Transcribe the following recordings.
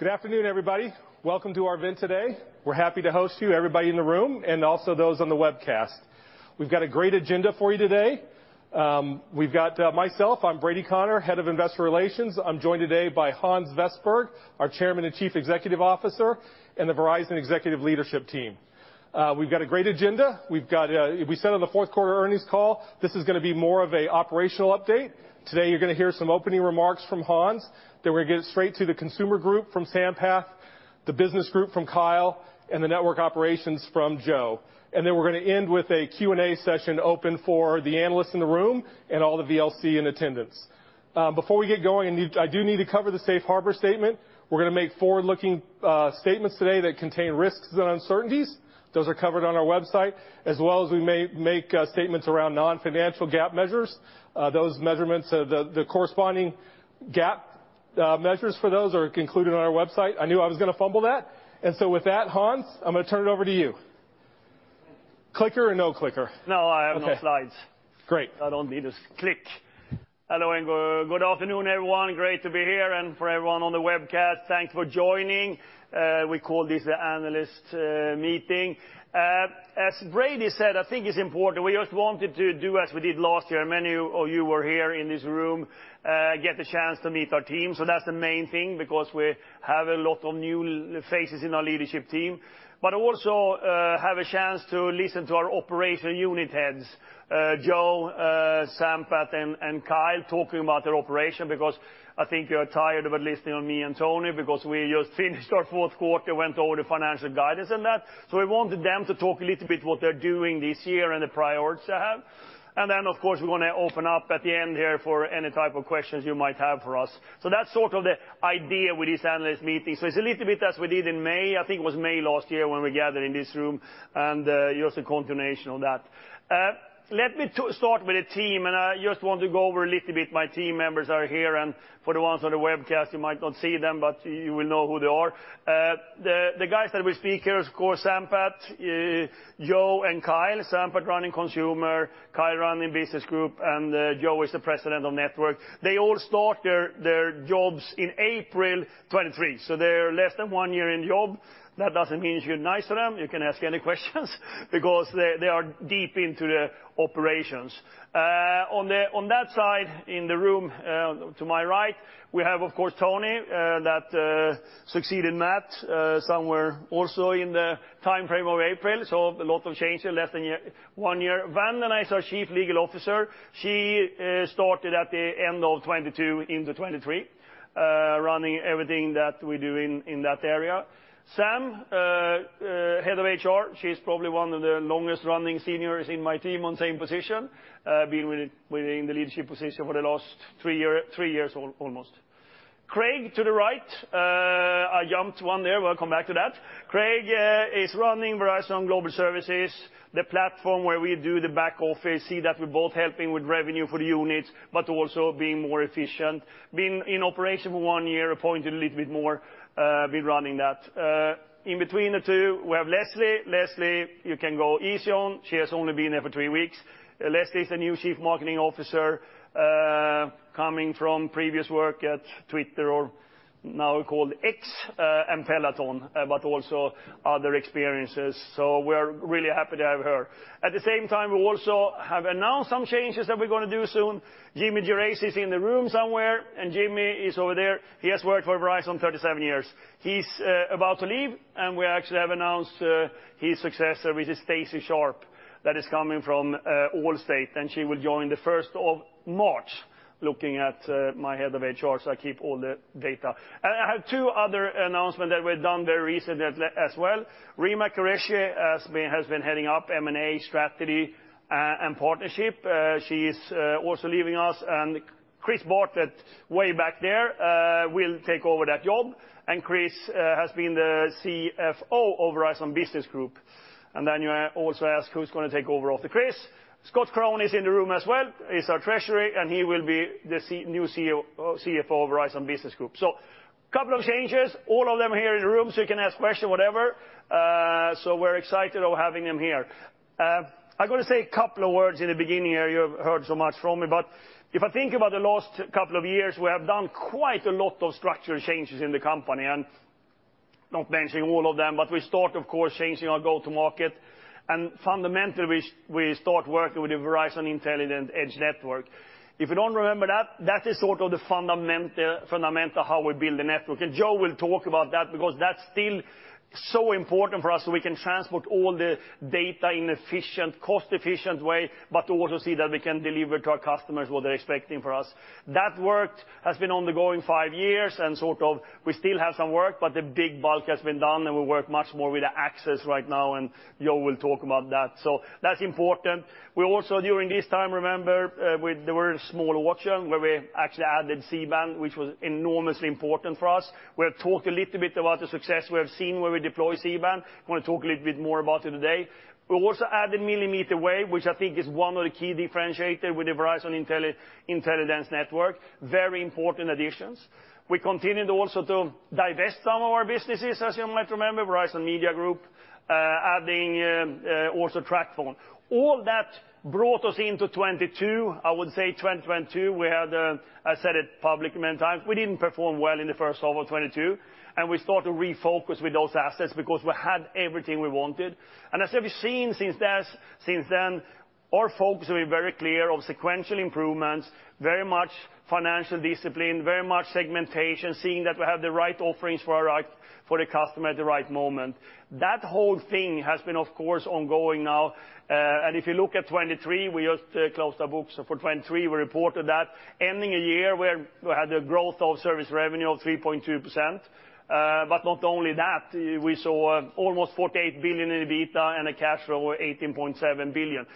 Good afternoon, everybody. Welcome to our event today. We're happy to host you, everybody in the room, and also those on the webcast. We've got a great agenda for you today. We've got myself, I'm Brady Connor, Head of Investor Relations. I'm joined today by Hans Vestberg, our Chairman and Chief Executive Officer, and the Verizon Executive Leadership Team. We've got a great agenda. We said on the fourth quarter earnings call, this is gonna be more of a operational update. Today, you're gonna hear some opening remarks from Hans, then we're gonna get straight to the consumer group from Sampath, the business group from Kyle, and the network operations from Joe. Then we're gonna end with a Q&A session open for the analysts in the room and all the VLC in attendance. Before we get going, I need—I do need to cover the safe harbor statement. We're gonna make forward-looking statements today that contain risks and uncertainties. Those are covered on our website, as well as we may make statements around non-financial GAAP measures. Those measurements, the corresponding GAAP measures for those are included on our website. I knew I was gonna fumble that, and so with that, Hans, I'm gonna turn it over to you. Clicker or no clicker? No, I have no slides. Okay, great. I don't need to click. Hello, and good afternoon, everyone. Great to be here, and for everyone on the webcast, thanks for joining. We call this an analyst meeting. As Brady said, I think it's important. We just wanted to do as we did last year. Many of you were here in this room, get the chance to meet our team. So that's the main thing, because we have a lot of new faces in our leadership team, but also, have a chance to listen to our operational unit heads, Joe, Sampath, and Kyle, talking about their operation, because I think you're tired about listening on me and Tony, because we just finished our fourth quarter, went over the financial guidance and that. So we wanted them to talk a little bit what they're doing this year and the priorities they have. Then, of course, we want to open up at the end here for any type of questions you might have for us. So that's sort of the idea with this analyst meeting. So it's a little bit as we did in May, I think it was May last year when we gathered in this room, and just a continuation on that. Let me start with the team, and I just want to go over a little bit. My team members are here, and for the ones on the webcast, you might not see them, but you will know who they are. The guys that will speak here, of course, Sampath, Joe, and Kyle. Sampath running Consumer, Kyle running Business Group, and Joe is the President of Network. They all start their jobs in April 2023, so they're less than one year in job. That doesn't mean you're nice to them. You can ask any questions because they are deep into the operations. On that side, in the room, to my right, we have, of course, Tony that succeeded Matt somewhere also in the timeframe of April, so a lot of changes in less than a year, one year. Vanda is our Chief Legal Officer. She started at the end of 2022 into 2023, running everything that we do in that area. Sam, Head of HR, she's probably one of the longest running seniors in my team on same position, been within the leadership position for the last three years almost. Craig, to the right, I jumped one there. We'll come back to that. Craig is running Verizon Global Services, the platform where we do the back office, see that we're both helping with revenue for the units, but also being more efficient. Been in operation for one year, appointed a little bit more, been running that. In between the two, we have Leslie. Leslie, you can go easy on. She has only been here for three weeks. Leslie is the new Chief Marketing Officer, coming from previous work at Twitter, or now called X, and Peloton, but also other experiences, so we're really happy to have her. At the same time, we also have announced some changes that we're gonna do soon. Jimmy Gerace is in the room somewhere, and Jimmy is over there. He has worked for Verizon 37 years. He's about to leave, and we actually have announced his successor, which is Stacy Sharpe, that is coming from Allstate, and she will join the first of March. Looking at my Head of HR, so I keep all the data. I have two other announcement that we've done very recently as well. Rima Qureshi has been heading up M&A, Strategy, and Partnership. She is also leaving us, and Chris Bartlett, way back there, will take over that job. Chris has been the CFO of Verizon Business Group. Then you also ask, who's gonna take over after Chris? Scott Krohn is in the room as well. He's our Treasurer, and he will be the new CFO of Verizon Business Group. So couple of changes, all of them are here in the room, so you can ask questions, whatever. So we're excited of having them here. I've got to say a couple of words in the beginning here. You've heard so much from me, but if I think about the last couple of years, we have done quite a lot of structural changes in the company, and not mentioning all of them, but we start, of course, changing our go-to-market, and fundamentally, we start working with the Verizon Intelligent Edge Network. If you don't remember that, that is sort of the fundamental, fundamental how we build the network. Joe will talk about that, because that's still so important for us, so we can transport all the data in efficient, cost-efficient way, but to also see that we can deliver to our customers what they're expecting for us. That work has been ongoing five years, and sort of we still have some work, but the big bulk has been done, and we work much more with the access right now, and Joe will talk about that. So that's important. We also, during this time, remember, with the very small watch where we actually added C-Band, which was enormously important for us. We'll talk a little bit about the success we have seen when we deploy C-Band. I want to talk a little bit more about it today. We also added millimeter wave, which I think is one of the key differentiator with the Verizon Intelligence network, very important additions. We continued also to divest some of our businesses, as you might remember, Verizon Media Group, adding also TracFone. All that brought us into 2022. I would say 2022, we had, I said it public many times, we didn't perform well in the first half of 2022, and we started to refocus with those assets because we had everything we wanted. And as you've seen since then, our focus will be very clear of sequential improvements, very much financial discipline, very much segmentation, seeing that we have the right offerings for our customers for the customer at the right moment. That whole thing has been, of course, ongoing now. And if you look at 2023, we just closed our books for 2023. We reported that ending a year where we had a growth of service revenue of 3.2%. But not only that, we saw almost $48 billion in EBITDA and a cash flow of $18.7 billion.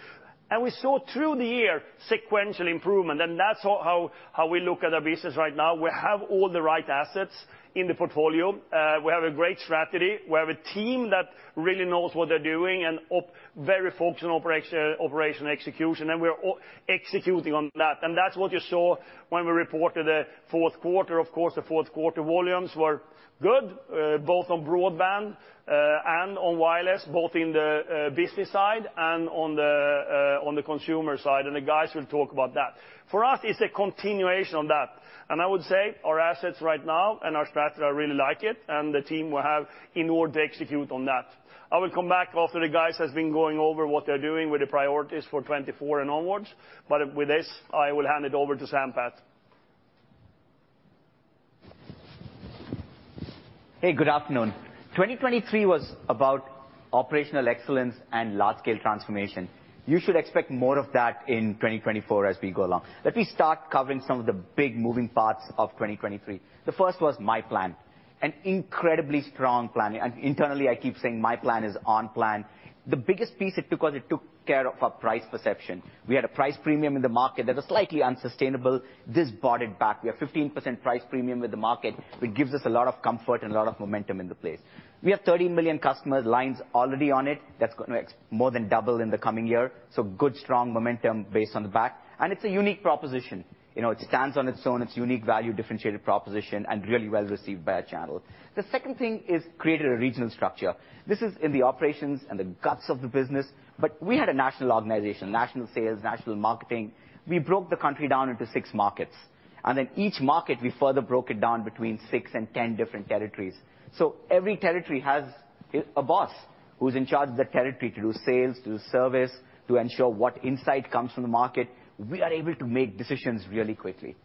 And we saw through the year sequential improvement, and that's how we look at our business right now. We have all the right assets in the portfolio. We have a great strategy. We have a team that really knows what they're doing and very focused on operational execution, and we're executing on that. And that's what you saw when we reported the fourth quarter. Of course, the fourth quarter volumes were good, both on broadband, and on wireless, both in the business side and on the consumer side, and the guys will talk about that. For us, it's a continuation on that, and I would say our assets right now and our strategy, I really like it, and the team will have in order to execute on that. I will come back after the guys has been going over what they're doing with the priorities for 2024 and onwards, but with this, I will hand it over to Sampath. Hey, good afternoon. 2023 was about operational excellence and large-scale transformation. You should expect more of that in 2024 as we go along. Let me start covering some of the big moving parts of 2023. The first was myPlan, an incredibly strong plan, and internally, I keep saying myPlan is on plan. The biggest piece it took was it took care of our price perception. We had a price premium in the market that was slightly unsustainable. This brought it back. We have 15% price premium with the market, which gives us a lot of comfort and a lot of momentum in the place. We have 13 million customer lines already on it. That's going to more than double in the coming year, so good, strong momentum based on the back. And it's a unique proposition. You know, it stands on its own. Its unique value, differentiated proposition, and really well-received by our channel. The second thing is created a regional structure. This is in the operations and the guts of the business, but we had a national organization, national sales, national marketing. We broke the country down into six markets, and then each market, we further broke it down between six and ten different territories. So every territory has a, a boss who's in charge of the territory to do sales, do service, to ensure what insight comes from the market. We are able to make decisions really quickly.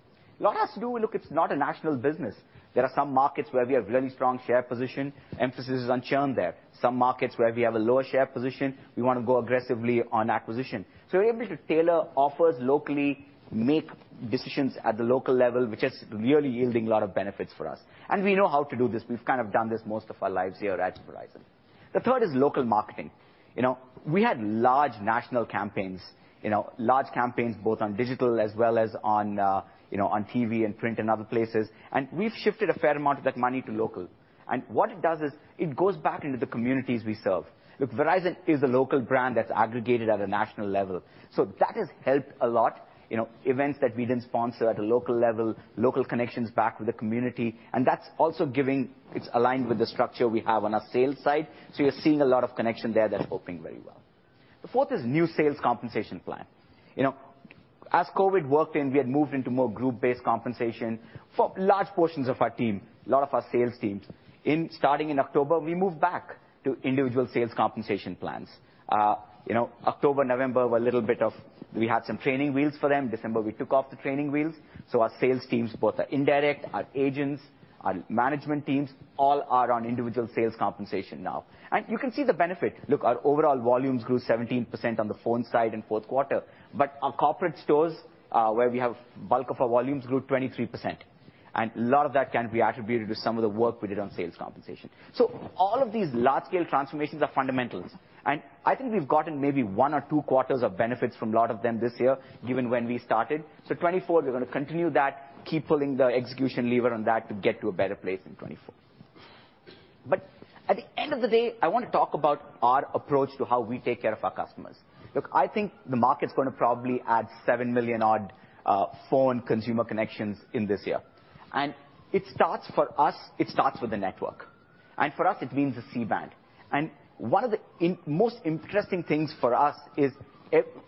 A lot has to do with, look, it's not a national business. There are some markets where we have really strong share position, emphasis is on churn there. Some markets where we have a lower share position, we want to go aggressively on acquisition. So we're able to tailor offers locally, make decisions at the local level, which is really yielding a lot of benefits for us, and we know how to do this. We've kind of done this most of our lives here at Verizon. The third is local marketing. You know, we had large national campaigns, you know, large campaigns, both on digital as well as on, you know, on TV and print and other places, and we've shifted a fair amount of that money to local. And what it does is it goes back into the communities we serve. Look, Verizon is a local brand that's aggregated at a national level, so that has helped a lot. You know, events that we didn't sponsor at a local level, local connections back to the community, and that's also giving... It's aligned with the structure we have on our sales side, so you're seeing a lot of connection there that's working very well. The fourth is new sales compensation plan. You know, as COVID worked in, we had moved into more group-based compensation for large portions of our team, a lot of our sales teams. Starting in October, we moved back to individual sales compensation plans. You know, October, November, were a little bit of... We had some training wheels for them. December, we took off the training wheels, so our sales teams, both our indirect, our agents, our management teams, all are on individual sales compensation now. And you can see the benefit. Look, our overall volumes grew 17% on the phone side in fourth quarter, but our corporate stores, where we have bulk of our volumes, grew 23%. A lot of that can be attributed to some of the work we did on sales compensation. All of these large-scale transformations are fundamentals, and I think we've gotten maybe one or two quarters of benefits from a lot of them this year, given when we started. 2024, we're gonna continue that, keep pulling the execution lever on that to get to a better place in 2024. But at the end of the day, I want to talk about our approach to how we take care of our customers. Look, I think the market's gonna probably add 7 million-odd phone consumer connections in this year. And it starts for us, it starts with the network, and for us, it means the C-Band. And one of the most interesting things for us is,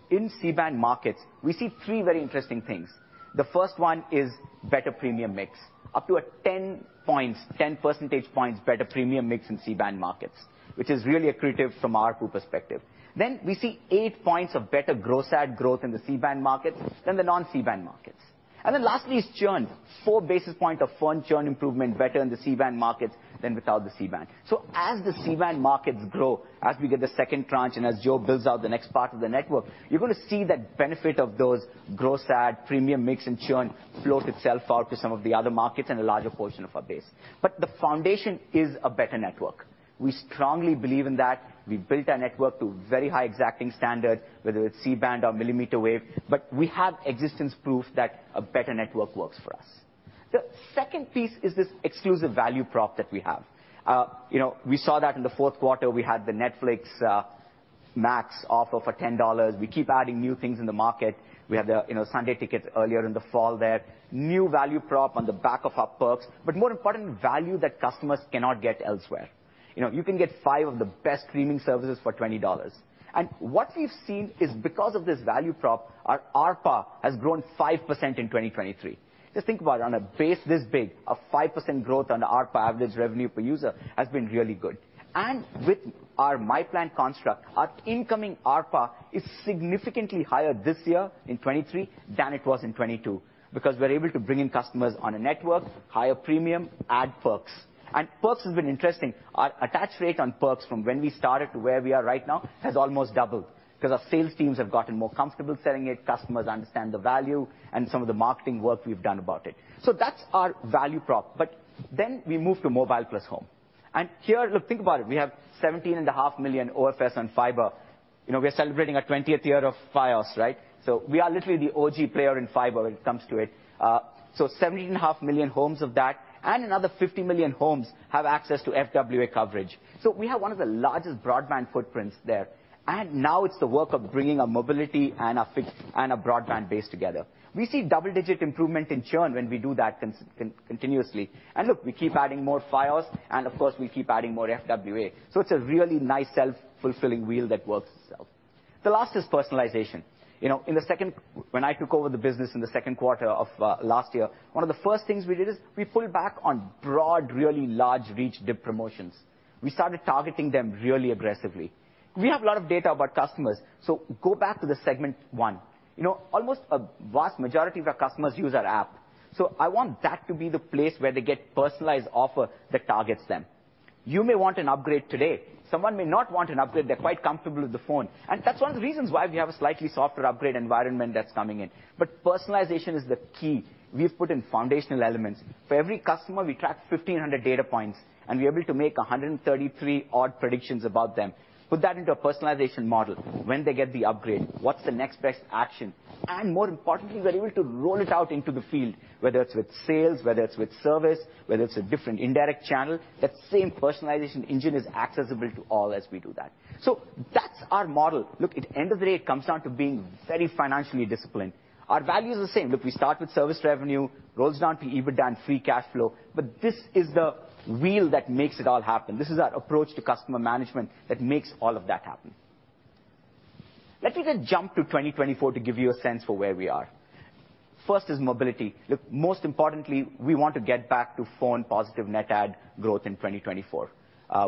in C-Band markets, we see 3 very interesting things. The first one is better premium mix, up to 10 points, 10 percentage points better premium mix in C-Band markets, which is really accretive from our pool perspective. Then we see 8 points of better gross add growth in the C-Band markets than the non-C-Band markets. And then lastly is churn. 4 basis points of phone churn improvement better in the C-Band markets than without the C-Band. So as the C-Band markets grow, as we get the second tranche, and as Joe builds out the next part of the network, you're going to see that benefit of those gross add, premium mix, and churn flow itself out to some of the other markets and a larger portion of our base. But the foundation is a better network. We strongly believe in that. We've built our network to very high, exacting standard, whether it's C-Band or millimeter wave, but we have existence proof that a better network works for us. The second piece is this exclusive value prop that we have. You know, we saw that in the fourth quarter. We had the Netflix Max offer for $10. We keep adding new things in the market. We had the, you know, Sunday Ticket earlier in the fall there. New value prop on the back of our perks, but more importantly, value that customers cannot get elsewhere. You know, you can get five of the best streaming services for $20. And what we've seen is, because of this value prop, our ARPA has grown 5% in 2023. Just think about it, on a base this big, a 5% growth on ARPA, average revenue per user, has been really good. And with our myPlan construct, our incoming ARPA is significantly higher this year in 2023 than it was in 2022, because we're able to bring in customers on a network, higher premium, add perks. And perks has been interesting. Our attach rate on perks from when we started to where we are right now has almost doubled, because our sales teams have gotten more comfortable selling it, customers understand the value, and some of the marketing work we've done about it. So that's our value prop, but then we move to Mobile Plus Home.... And here, look, think about it, we have 17.5 million OFS on fiber. You know, we are celebrating our 20th year of Fios, right? So we are literally the OG player in fiber when it comes to it. So 17.5 million homes of that, and another 50 million homes have access to FWA coverage. So we have one of the largest broadband footprints there, and now it's the work of bringing our mobility and our fixed and our broadband base together. We see double-digit improvement in churn when we do that continuously. And look, we keep adding more Fios, and of course, we keep adding more FWA. So it's a really nice, self-fulfilling wheel that works itself. The last is personalization. You know, in the second quarter of last year, one of the first things we did is we pulled back on broad, really large reach-deep promotions. We started targeting them really aggressively. We have a lot of data about customers, so go back to the Segment One. You know, almost a vast majority of our customers use our app, so I want that to be the place where they get personalized offer that targets them. You may want an upgrade today. Someone may not want an upgrade, they're quite comfortable with the phone, and that's one of the reasons why we have a slightly softer upgrade environment that's coming in. But personalization is the key. We've put in foundational elements. For every customer, we track 1,500 data points, and we're able to make 133 odd predictions about them. Put that into a personalization model. When they get the upgrade, what's the next best action? More importantly, we're able to roll it out into the field, whether it's with sales, whether it's with service, whether it's a different indirect channel. That same personalization engine is accessible to all as we do that. So that's our model. Look, at the end of the day, it comes down to being very financially disciplined. Our value is the same. Look, we start with service revenue, rolls down to EBITDA and free cash flow, but this is the wheel that makes it all happen. This is our approach to customer management that makes all of that happen. Let me just jump to 2024 to give you a sense for where we are. First is mobility. Look, most importantly, we want to get back to phone positive net add growth in 2024.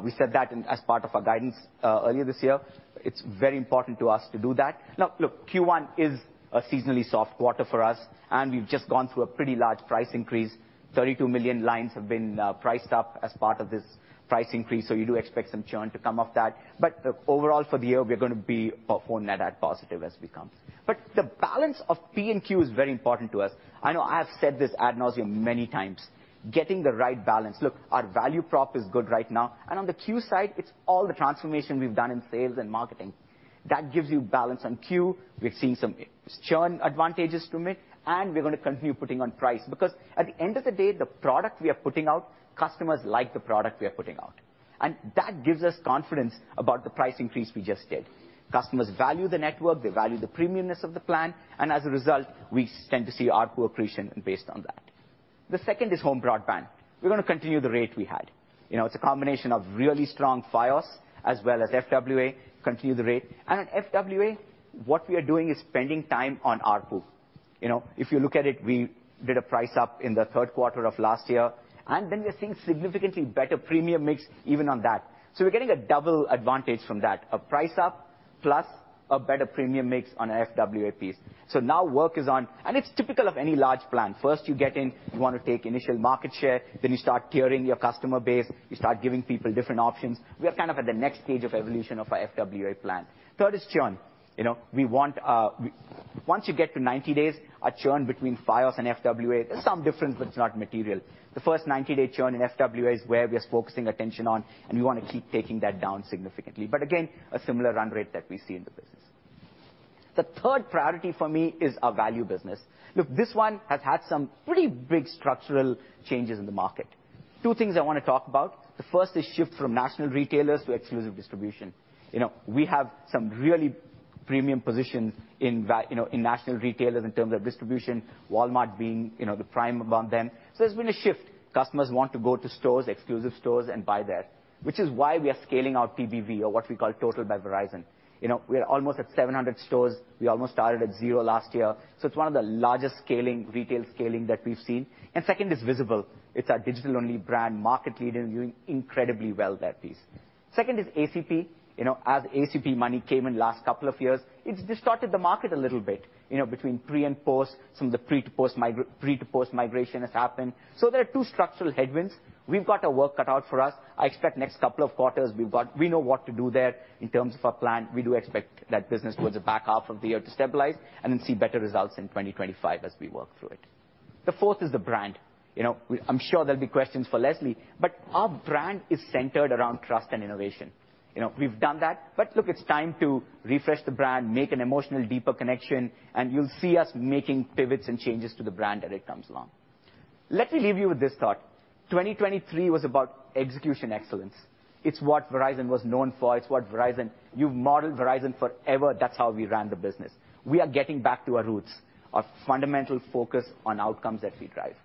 We said that in as part of our guidance, earlier this year. It's very important to us to do that. Now, look, Q1 is a seasonally soft quarter for us, and we've just gone through a pretty large price increase. 32 million lines have been priced up as part of this price increase, so you do expect some churn to come off that. But overall, for the year, we are gonna be a phone net add positive as we come. But the balance of P&Q is very important to us. I know I have said this ad nauseam many times, getting the right balance. Look, our value prop is good right now, and on the Q side, it's all the transformation we've done in sales and marketing. That gives you balance on Q. We've seen some churn advantages from it, and we're gonna continue putting on price, because at the end of the day, the product we are putting out, customers like the product we are putting out, and that gives us confidence about the price increase we just did. Customers value the network, they value the premiumness of the plan, and as a result, we tend to see ARPU accretion based on that. The second is home broadband. We're gonna continue the rate we had. You know, it's a combination of really strong Fios as well as FWA, continue the rate. And at FWA, what we are doing is spending time on ARPU. You know, if you look at it, we did a price up in the third quarter of last year, and then we are seeing significantly better premium mix even on that. So we're getting a double advantage from that, a price up, plus a better premium mix on our FWA piece. So now work is on, and it's typical of any large plan. First, you get in, you want to take initial market share, then you start tiering your customer base, you start giving people different options. We are kind of at the next stage of evolution of our FWA plan. Third is churn. You know, we want, once you get to 90 days, our churn between Fios and FWA, there's some difference, but it's not material. The first 90-day churn in FWA is where we are focusing attention on, and we want to keep taking that down significantly, but again, a similar run rate that we see in the business. The third priority for me is our value business. Look, this one has had some pretty big structural changes in the market. Two things I want to talk about. The first is shift from national retailers to exclusive distribution. You know, we have some really premium positions in you know, in national retailers in terms of distribution, Walmart being, you know, the prime among them. So there's been a shift. Customers want to go to stores, exclusive stores, and buy there, which is why we are scaling our TbV or what we call Total by Verizon. You know, we are almost at 700 stores. We almost started at zero last year, so it's one of the largest scaling, retail scaling that we've seen. And second is Visible. It's our digital-only brand, market leader, and doing incredibly well, that piece. Second is ACP. You know, as ACP money came in last couple of years, it's distorted the market a little bit, you know, between pre- and post-, some of the pre- to post-migration has happened. So there are two structural headwinds. We've got our work cut out for us. I expect next couple of quarters, we've got... We know what to do there in terms of our plan. We do expect that business towards the back half of the year to stabilize and then see better results in 2025 as we work through it. The fourth is the brand. You know, we- I'm sure there'll be questions for Leslie, but our brand is centered around trust and innovation. You know, we've done that, but look, it's time to refresh the brand, make an emotional, deeper connection, and you'll see us making pivots and changes to the brand as it comes along. Let me leave you with this thought: 2023 was about execution excellence. It's what Verizon was known for. It's what Verizon - you've modeled Verizon forever. That's how we ran the business. We are getting back to our roots, our fundamental focus on outcomes that we drive.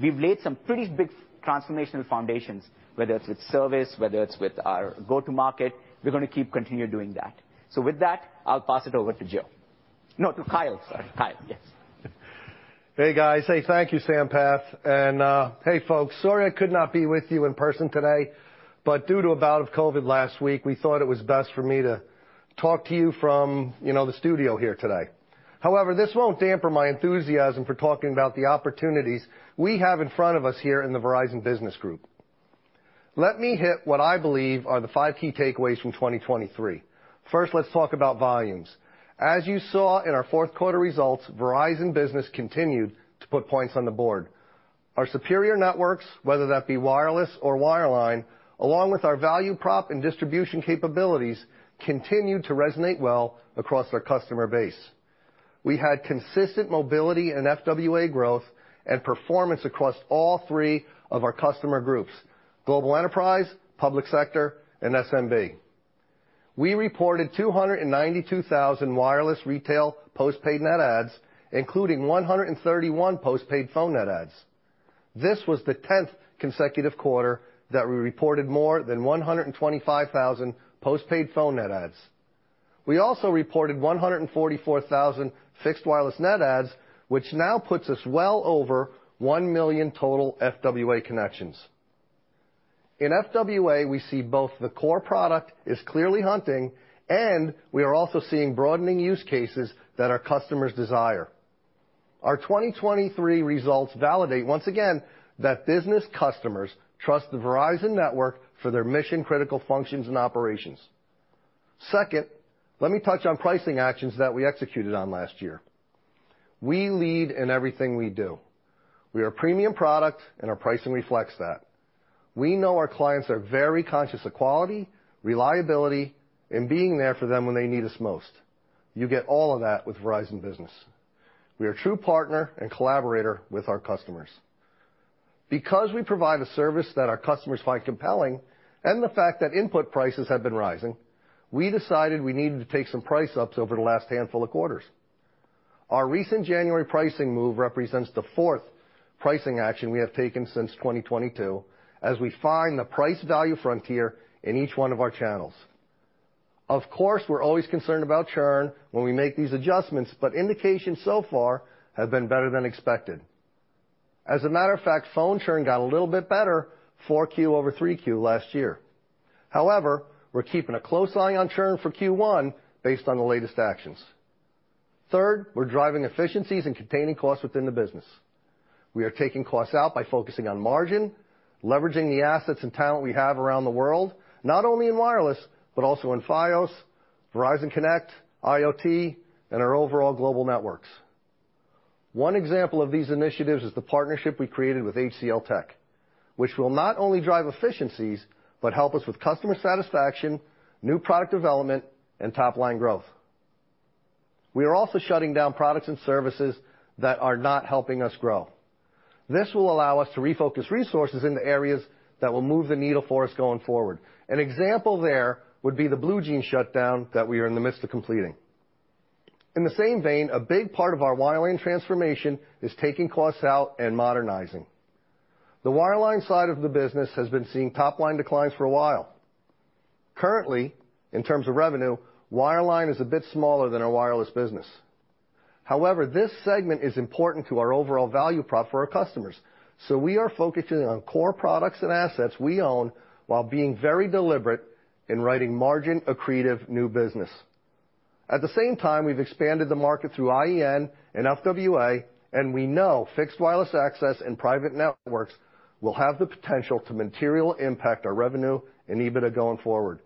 We've laid some pretty big transformational foundations, whether it's with service, whether it's with our go-to-market, we're gonna keep continuing doing that. So with that, I'll pass it over to Jill. No, to Kyle, sorry. Kyle, yes. Hey, guys. Hey, thank you, Sampath, and, hey, folks. Sorry I could not be with you in person today, but due to a bout of COVID last week, we thought it was best for me to talk to you from, you know, the studio here today. However, this won't dampen my enthusiasm for talking about the opportunities we have in front of us here in the Verizon Business Group. Let me hit what I believe are the five key takeaways from 2023. First, let's talk about volumes. As you saw in our fourth quarter results, Verizon Business continued to put points on the board. Our superior networks, whether that be wireless or wireline, along with our value prop and distribution capabilities, continue to resonate well across our customer base. We had consistent mobility and FWA growth and performance across all three of our customer groups, Global Enterprise, Public Sector, and SMB. We reported 292,000 wireless retail postpaid net adds, including 131 postpaid phone net adds. This was the 10th consecutive quarter that we reported more than 125,000 postpaid phone net adds. We also reported 144,000 fixed wireless net adds, which now puts us well over 1 million total FWA connections. In FWA, we see both the core product is clearly hunting, and we are also seeing broadening use cases that our customers desire. Our 2023 results validate, once again, that business customers trust the Verizon network for their mission-critical functions and operations. Second, let me touch on pricing actions that we executed on last year. We lead in everything we do. We are a premium product, and our pricing reflects that. We know our clients are very conscious of quality, reliability, and being there for them when they need us most. You get all of that with Verizon Business. We are a true partner and collaborator with our customers. Because we provide a service that our customers find compelling, and the fact that input prices have been rising, we decided we needed to take some price ups over the last handful of quarters. Our recent January pricing move represents the fourth pricing action we have taken since 2022, as we find the price value frontier in each one of our channels. Of course, we're always concerned about churn when we make these adjustments, but indications so far have been better than expected. As a matter of fact, phone churn got a little bit better, Q4-over-Q3 last year. However, we're keeping a close eye on churn for Q1 based on the latest actions. Third, we're driving efficiencies and containing costs within the business. We are taking costs out by focusing on margin, leveraging the assets and talent we have around the world, not only in wireless, but also in Fios, Verizon Connect, IoT, and our overall global networks. One example of these initiatives is the partnership we created with HCLTech, which will not only drive efficiencies, but help us with customer satisfaction, new product development, and top-line growth. We are also shutting down products and services that are not helping us grow. This will allow us to refocus resources in the areas that will move the needle for us going forward. An example there would be the BlueJeans shutdown that we are in the midst of completing. In the same vein, a big part of our wireline transformation is taking costs out and modernizing. The wireline side of the business has been seeing top-line declines for a while. Currently, in terms of revenue, wireline is a bit smaller than our wireless business. However, this segment is important to our overall value prop for our customers, so we are focusing on core products and assets we own while being very deliberate in writing margin accretive new business. At the same time, we've expanded the market through iEN and FWA, and we know fixed wireless access and private networks will have the potential to materially impact our revenue and EBITDA going forward.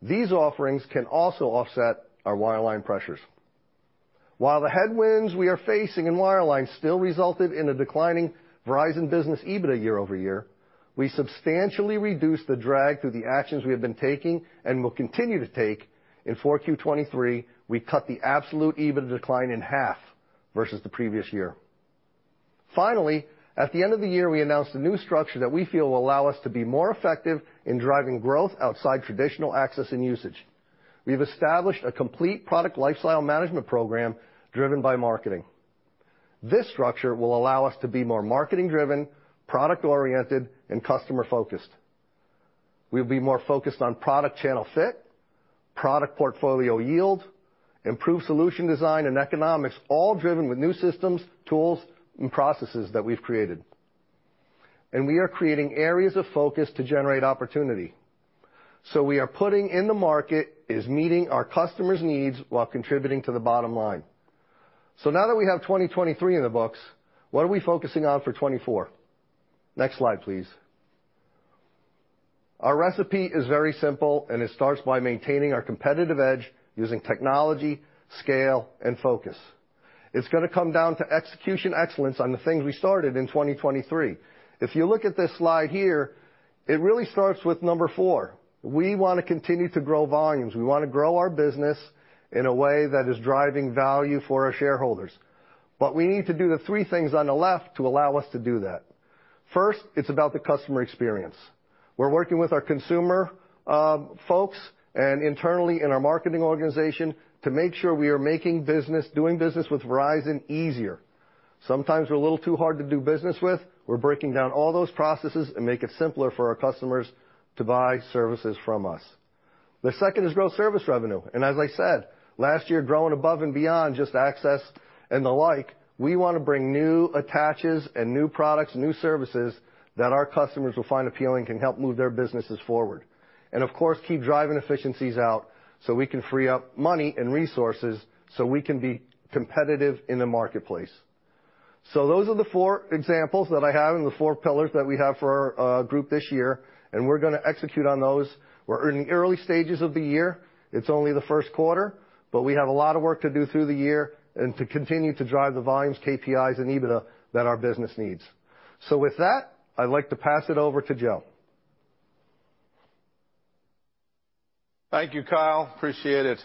These offerings can also offset our wireline pressures. While the headwinds we are facing in wireline still resulted in a declining Verizon business EBITDA year-over-year, we substantially reduced the drag through the actions we have been taking and will continue to take. In 4Q 2023, we cut the absolute EBITDA decline in half versus the previous year. Finally, at the end of the year, we announced a new structure that we feel will allow us to be more effective in driving growth outside traditional access and usage. We've established a complete product lifestyle management program driven by marketing. This structure will allow us to be more marketing-driven, product-oriented, and customer-focused. We'll be more focused on product channel fit, product portfolio yield, improved solution design, and economics, all driven with new systems, tools, and processes that we've created. We are creating areas of focus to generate opportunity. So we are putting in the market is meeting our customers' needs while contributing to the bottom line. Now that we have 2023 in the books, what are we focusing on for 2024? Next slide, please. Our recipe is very simple, and it starts by maintaining our competitive edge using technology, scale, and focus. It's gonna come down to execution excellence on the things we started in 2023. If you look at this slide here, it really starts with Number 4. We want to continue to grow volumes. We want to grow our business in a way that is driving value for our shareholders, but we need to do the three things on the left to allow us to do that. First, it's about the customer experience. We're working with our consumer folks and internally in our marketing organization to make sure we are making business, doing business with Verizon easier. Sometimes we're a little too hard to do business with. We're breaking down all those processes and make it simpler for our customers to buy services from us. The second is grow service revenue, and as I said, last year, growing above and beyond just access and the like, we want to bring new attaches and new products, new services, that our customers will find appealing, can help move their businesses forward. And of course, keep driving efficiencies out so we can free up money and resources, so we can be competitive in the marketplace. So those are the four examples that I have and the four pillars that we have for our group this year, and we're gonna execute on those. We're in the early stages of the year. It's only the first quarter, but we have a lot of work to do through the year and to continue to drive the volumes, KPIs, and EBITDA that our business needs. So with that, I'd like to pass it over to Joe. Thank you, Kyle. Appreciate it.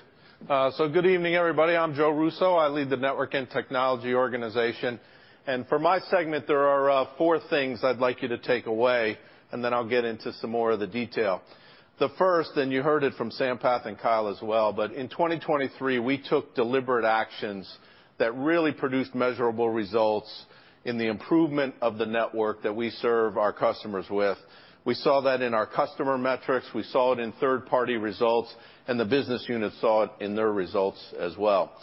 So good evening, everybody. I'm Joe Russo. I lead the Network and Technology organization, and for my segment, there are four things I'd like you to take away, and then I'll get into some more of the detail. The first, and you heard it from Sampath and Kyle as well, but in 2023, we took deliberate actions that really produced measurable results in the improvement of the network that we serve our customers with. We saw that in our customer metrics, we saw it in third-party results, and the business units saw it in their results as well.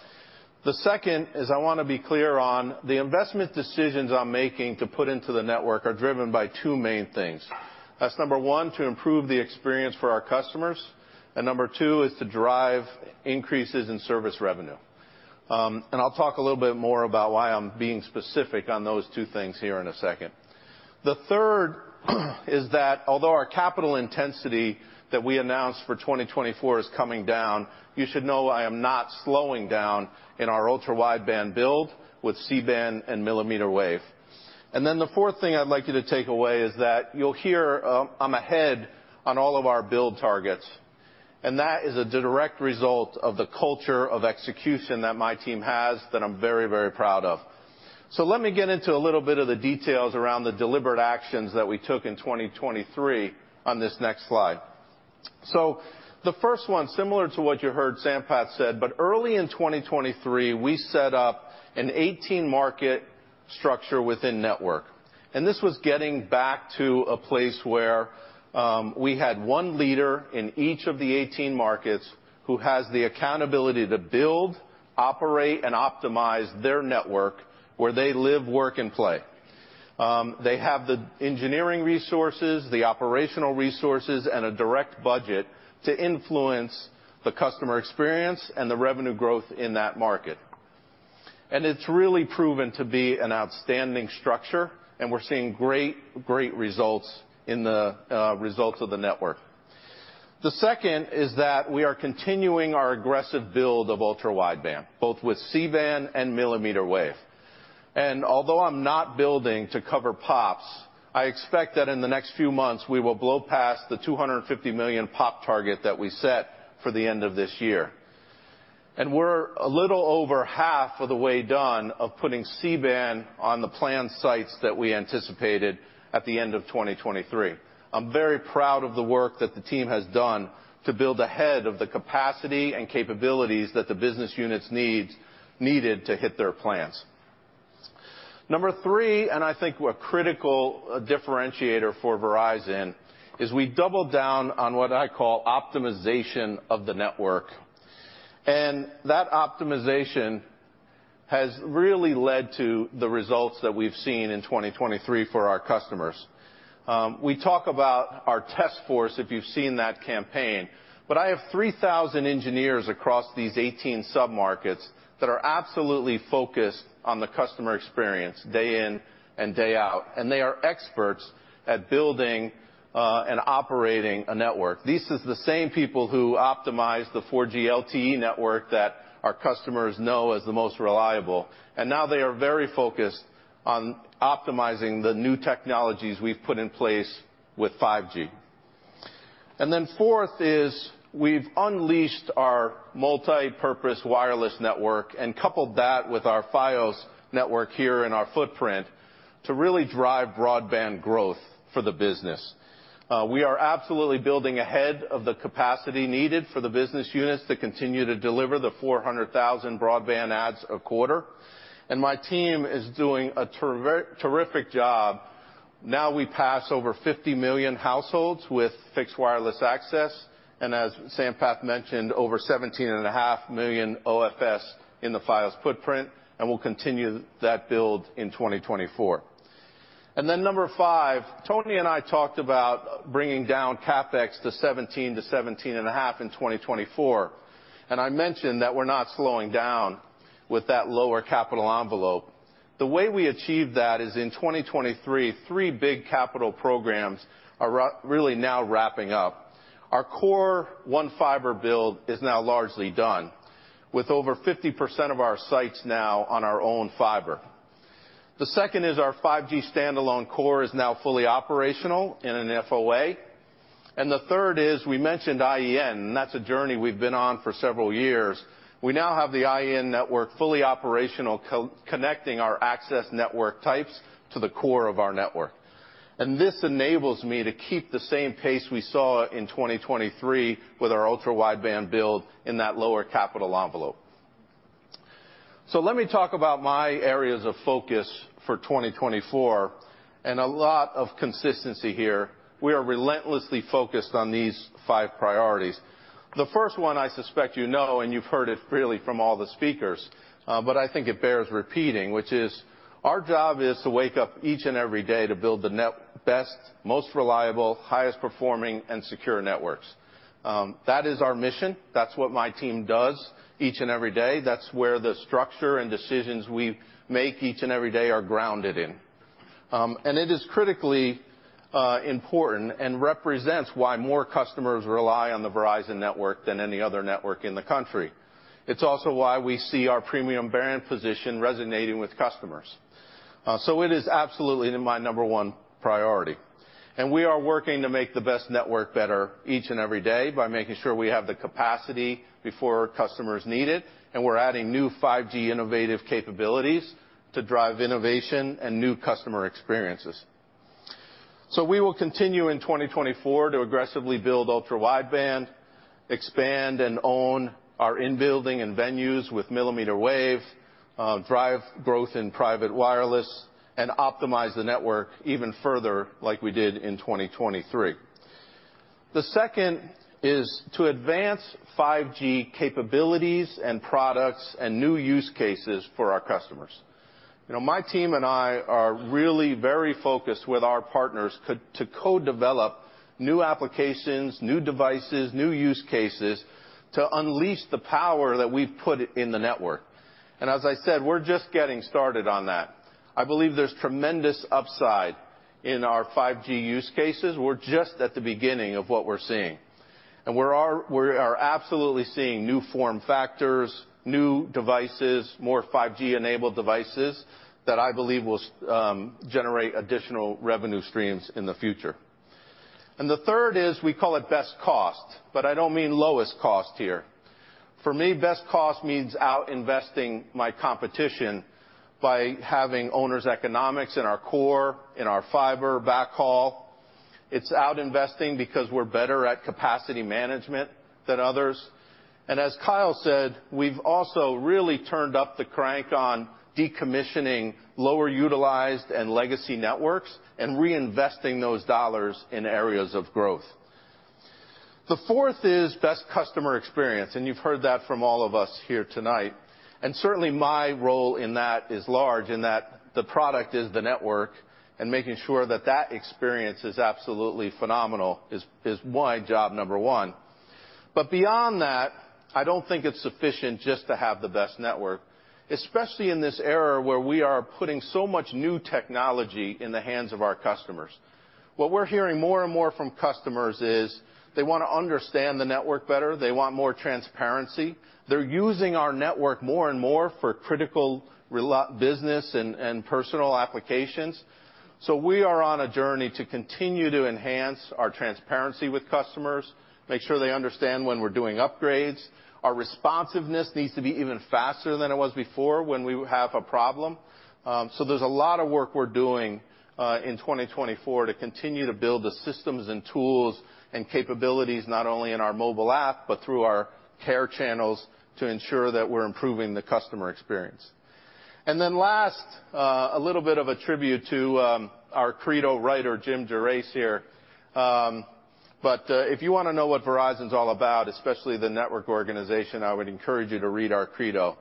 The second is, I want to be clear on the investment decisions I'm making to put into the network are driven by two main things. That's Number 1, to improve the experience for our customers, and Number 2 is to drive increases in service revenue. I'll talk a little bit more about why I'm being specific on those two things here in a second. The third is that although our capital intensity that we announced for 2024 is coming down, you should know I am not slowing down in our Ultra Wideband build with C-Band and millimeter wave. The fourth thing I'd like you to take away is that you'll hear, I'm ahead on all of our build targets, and that is a direct result of the culture of execution that my team has that I'm very, very proud of. Let me get into a little bit of the details around the deliberate actions that we took in 2023 on this next slide. So the first one, similar to what you heard Sampath said, but early in 2023, we set up an 18-market structure within network, and this was getting back to a place where we had one leader in each of the 18 markets who has the accountability to build, operate, and optimize their network where they live, work, and play. They have the engineering resources, the operational resources, and a direct budget to influence the customer experience and the revenue growth in that market. And it's really proven to be an outstanding structure, and we're seeing great, great results in the results of the network. The second is that we are continuing our aggressive build of ultra-wideband, both with C-Band and millimeter wave. Although I'm not building to cover POPs, I expect that in the next few months, we will blow past the 250 million POPs target that we set for the end of this year. We're a little over half of the way done of putting C-Band on the planned sites that we anticipated at the end of 2023. I'm very proud of the work that the team has done to build ahead of the capacity and capabilities that the business units needs, needed to hit their plans. Number three, and I think a critical differentiator for Verizon, is we doubled down on what I call optimization of the network, and that optimization has really led to the results that we've seen in 2023 for our customers. We talk about our task force, if you've seen that campaign, but I have 3,000 engineers across these 18 submarkets that are absolutely focused on the customer experience day in and day out, and they are experts at building and operating a network. These is the same people who optimize the 4G LTE network that our customers know as the most reliable, and now they are very focused on optimizing the new technologies we've put in place with 5G. And then fourth is we've unleashed our multipurpose wireless network and coupled that with our Fios network here in our footprint to really drive broadband growth for the business. We are absolutely building ahead of the capacity needed for the business units to continue to deliver the 400,000 broadband adds a quarter, and my team is doing a terrific job. Now we pass over 50 million households with fixed wireless access, and as Sampath mentioned, over 17.5 million OFS in the Fios footprint, and we'll continue that build in 2024. Then number 5, Tony and I talked about bringing down CapEx to $17-$17.5 in 2024, and I mentioned that we're not slowing down with that lower capital envelope. The way we achieve that is in 2023, three big capital programs are really now wrapping up. Our Core One Fiber build is now largely done, with over 50% of our sites now on our own fiber. The second is our 5G standalone core is now fully operational in an FOA. The third is we mentioned iEN, and that's a journey we've been on for several years. We now have the iEN network fully operational, co-connecting our access network types to the core of our network. This enables me to keep the same pace we saw in 2023 with our ultra-wideband build in that lower capital envelope. Let me talk about my areas of focus for 2024, and a lot of consistency here. We are relentlessly focused on these five priorities. The first one, I suspect you know, and you've heard it really from all the speakers, but I think it bears repeating, which is our job is to wake up each and every day to build the best, most reliable, highest-performing, and secure networks. That is our mission. That's what my team does each and every day. That's where the structure and decisions we make each and every day are grounded in. It is critically important and represents why more customers rely on the Verizon network than any other network in the country. It's also why we see our premium brand position resonating with customers, so it is absolutely my number one priority. And we are working to make the best network better each and every day by making sure we have the capacity before customers need it, and we're adding new 5G innovative capabilities to drive innovation and new customer experiences. So we will continue in 2024 to aggressively build Ultra Wideband, expand and own our in-building and venues with millimeter wave, drive growth in private wireless, and optimize the network even further like we did in 2023. The second is to advance 5G capabilities and products and new use cases for our customers. You know, my team and I are really very focused with our partners to co-develop new applications, new devices, new use cases to unleash the power that we've put in the network. And as I said, we're just getting started on that. I believe there's tremendous upside in our 5G use cases. We're just at the beginning of what we're seeing. And we are absolutely seeing new form factors, new devices, more 5G-enabled devices that I believe will generate additional revenue streams in the future. And the third is, we call it best cost, but I don't mean lowest cost here. For me, best cost means outinvesting my competition by having owners' economics in our core, in our fiber backhaul. It's outinvesting because we're better at capacity management than others. As Kyle said, we've also really turned up the crank on decommissioning lower utilized and legacy networks and reinvesting those dollars in areas of growth. The fourth is best customer experience, and you've heard that from all of us here tonight. Certainly, my role in that is large, in that the product is the network, and making sure that that experience is absolutely phenomenal is my job number one. But beyond that, I don't think it's sufficient just to have the best network, especially in this era where we are putting so much new technology in the hands of our customers. What we're hearing more and more from customers is they want to understand the network better, they want more transparency. They're using our network more and more for critical real-time business and personal applications. So we are on a journey to continue to enhance our transparency with customers, make sure they understand when we're doing upgrades. Our responsiveness needs to be even faster than it was before when we have a problem. So there's a lot of work we're doing in 2024 to continue to build the systems and tools and capabilities, not only in our mobile app, but through our care channels, to ensure that we're improving the customer experience. And then last, a little bit of a tribute to our credo writer, Jim Gerace, here. But if you want to know what Verizon's all about, especially the network organization, I would encourage you to read our credo.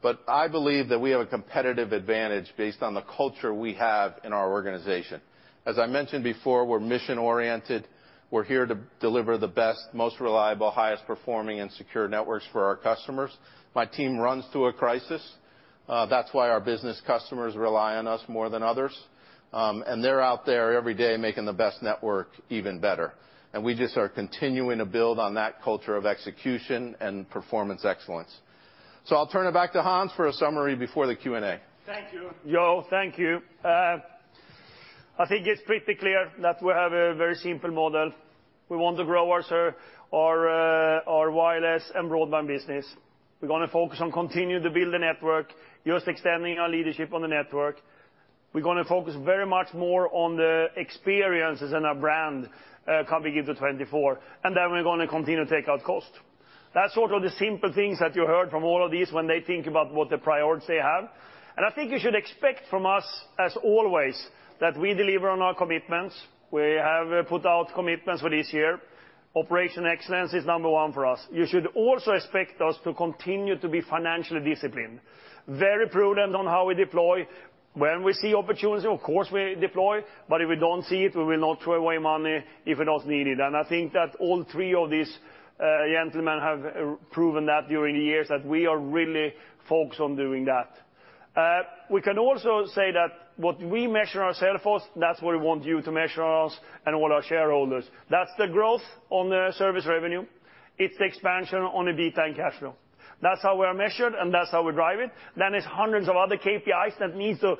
But I believe that we have a competitive advantage based on the culture we have in our organization. As I mentioned before, we're mission-oriented. We're here to deliver the best, most reliable, highest-performing, and secure networks for our customers. My team runs to a crisis. That's why our business customers rely on us more than others, and they're out there every day making the best network even better. And we just are continuing to build on that culture of execution and performance excellence. So I'll turn it back to Hans for a summary before the Q&A. Thank you, Joe. Thank you. I think it's pretty clear that we have a very simple model. We want to grow our our wireless and broadband business. We're gonna focus on continuing to build the network, just extending our leadership on the network. We're gonna focus very much more on the experiences and our brand coming into 2024, and then we're gonna continue to take out cost. That's sort of the simple things that you heard from all of these when they think about what the priorities they have. I think you should expect from us, as always, that we deliver on our commitments. We have put out commitments for this year. Operational excellence is number one for us. You should also expect us to continue to be financially disciplined, very prudent on how we deploy. When we see opportunity, of course, we deploy, but if we don't see it, we will not throw away money if it is needed. I think that all three of these gentlemen have proven that during the years, that we are really focused on doing that. We can also say that what we measure ourselves for, that's what we want you to measure us and all our shareholders. That's the growth on the service revenue. It's the expansion on the EBITDA and cash flow. That's how we are measured, and that's how we drive it. Then it's hundreds of other KPIs that needs to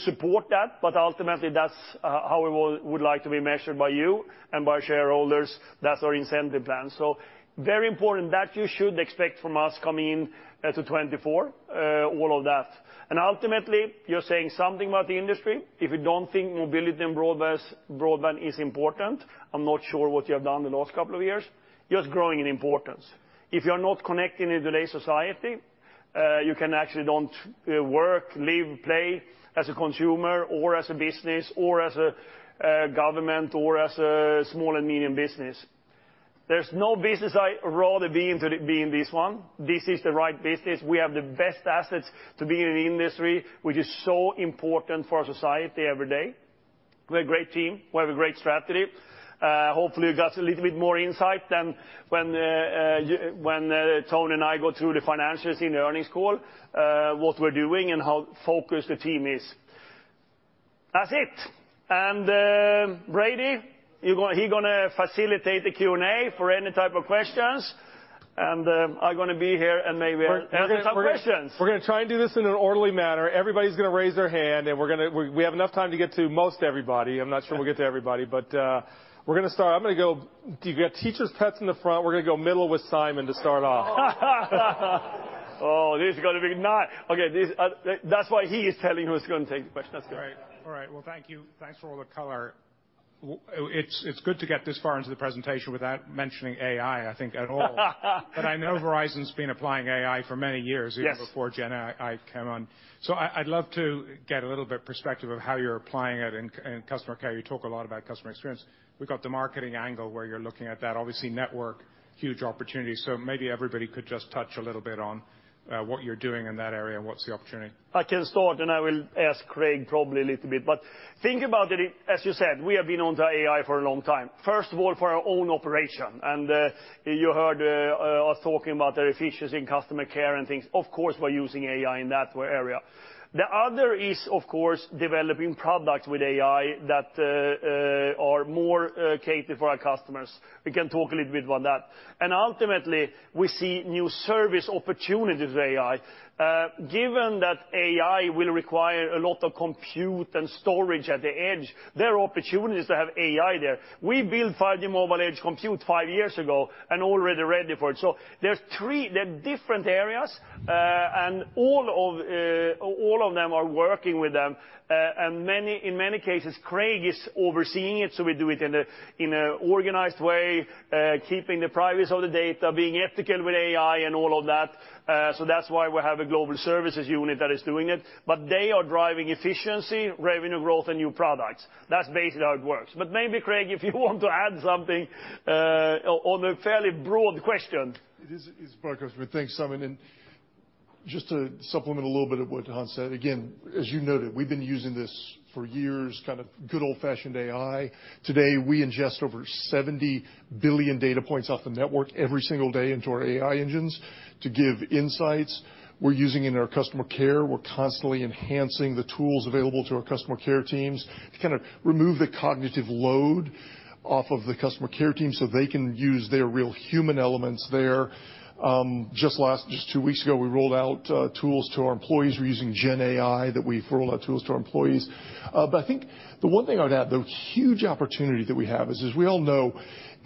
support that, but ultimately, that's how we would like to be measured by you and by shareholders. That's our incentive plan. So very important, that you should expect from us coming in to 2024, all of that. And ultimately, you're saying something about the industry. If you don't think mobility and broadband is important, I'm not sure what you have done the last couple of years, just growing in importance. If you are not connecting in today's society, you can actually don't work, live, play as a consumer or as a business or as a government or as a small and medium business. There's no business I'd rather be in than be in this one. This is the right business. We have the best assets to be in an industry which is so important for our society every day. We're a great team. We have a great strategy. Hopefully, you got a little bit more insight than when you... When Tony and I go through the financials in the earnings call, what we're doing and how focused the team is. That's it! And Brady, you're gonna—he gonna facilitate the Q&A for any type of questions, and I'm gonna be here and maybe answer some questions. We're gonna try and do this in an orderly manner. Everybody's gonna raise their hand, and we're gonna. We have enough time to get to most everybody. I'm not sure we'll get to everybody, but we're gonna start. I'm gonna go... You've got teacher's pets in the front. We're gonna go middle with Simon to start off. Okay, this, that's why he is telling you who's gonna take the question. That's all right. All right. Well, thank you. Thanks for all the color. It's good to get this far into the presentation without mentioning AI, I think, at all. But I know Verizon's been applying AI for many years. Yes... even before GenAI, I came on. So I, I'd love to get a little bit perspective of how you're applying it in customer care. You talk a lot about customer experience. We've got the marketing angle, where you're looking at that. Obviously, network, huge opportunity, so maybe everybody could just touch a little bit on what you're doing in that area and what's the opportunity. I can start, and I will ask Craig probably a little bit, but think about it, as you said, we have been on the AI for a long time, first of all, for our own operation. And you heard us talking about the efficiencies in customer care and things. Of course, we're using AI in that area. The other is, of course, developing products with AI that are more catered for our customers. We can talk a little bit about that. And ultimately, we see new service opportunities with AI. Given that AI will require a lot of compute and storage at the edge, there are opportunities to have AI there. We built 5G mobile edge compute five years ago and already ready for it. So there's three... They're different areas, and all of all of them are working with them. In many cases, Craig is overseeing it, so we do it in an organized way, keeping the privacy of the data, being ethical with AI and all of that. So that's why we have a global services unit that is doing it. But they are driving efficiency, revenue growth, and new products. That's basically how it works. But maybe, Craig, if you want to add something on a fairly broad question. It is a broad question. But thanks, Simon, and just to supplement a little bit of what Hans said. Again, as you noted, we've been using this for years, kind of good old-fashioned AI. Today, we ingest over 70 billion data points off the network every single day into our AI engines to give insights. We're using in our customer care. We're constantly enhancing the tools available to our customer care teams to kind of remove the cognitive load off of the customer care team, so they can use their real human elements there. Just two weeks ago, we rolled out tools to our employees. We're using GenAI that we've rolled out tools to our employees. But I think the one thing I'd add, the huge opportunity that we have is, as we all know,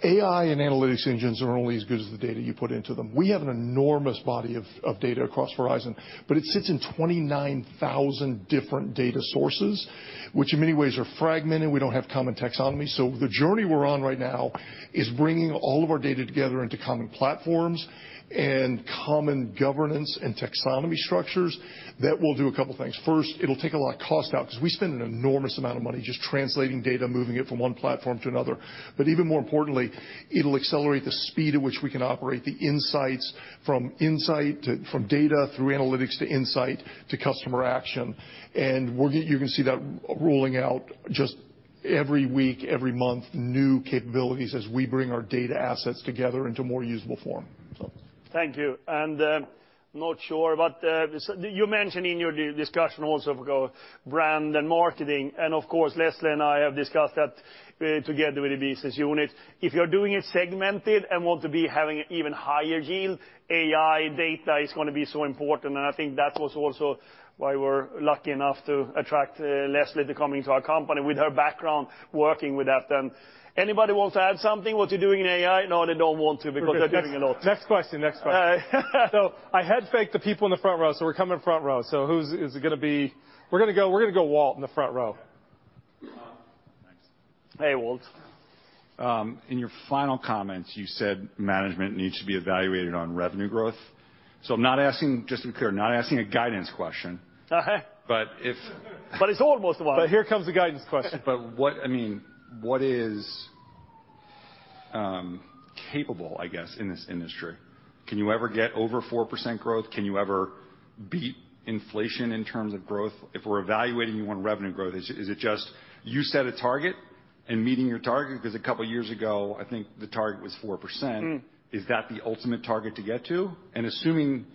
AI and analytics engines are only as good as the data you put into them. We have an enormous body of data across Verizon, but it sits in 29,000 different data sources, which in many ways are fragmented. We don't have common taxonomy. So the journey we're on right now is bringing all of our data together into common platforms and common governance and taxonomy structures. That will do a couple things. First, it'll take a lot of cost out, 'cause we spend an enormous amount of money just translating data, moving it from one platform to another. But even more importantly, it'll accelerate the speed at which we can operate, the insights from insight to... from data through analytics, to insight, to customer action. We're gonna see that rolling out just every week, every month, new capabilities as we bring our data assets together into more usable form, so. Thank you, and, not sure, but, so you mentioned in your discussion also, we go brand and marketing, and of course, Leslie and I have discussed that, together with the business unit. If you're doing it segmented and want to be having even higher yield, AI data is gonna be so important, and I think that was also why we're lucky enough to attract, Leslie to come into our company with her background working with that. Anybody wants to add something, what you're doing in AI? No, they don't want to, because they're doing a lot. Next question, next question. So I head faked the people in the front row, so we're coming to front row. So who's is it gonna be? We're gonna go, we're gonna go Walt in the front row. Uh, thanks. Hey, Walt. In your final comments, you said management needs to be evaluated on revenue growth. So I'm not asking, just to be clear, I'm not asking a guidance question But if- But it's almost one. Here comes the guidance question. What, I mean, what is capable, I guess, in this industry? Can you ever get over 4% growth? Can you ever beat inflation in terms of growth? If we're evaluating you on revenue growth, is, is it just you set a target and meeting your target? Because a couple of years ago, I think the target was 4%. Is that the ultimate target to get to? Assuming,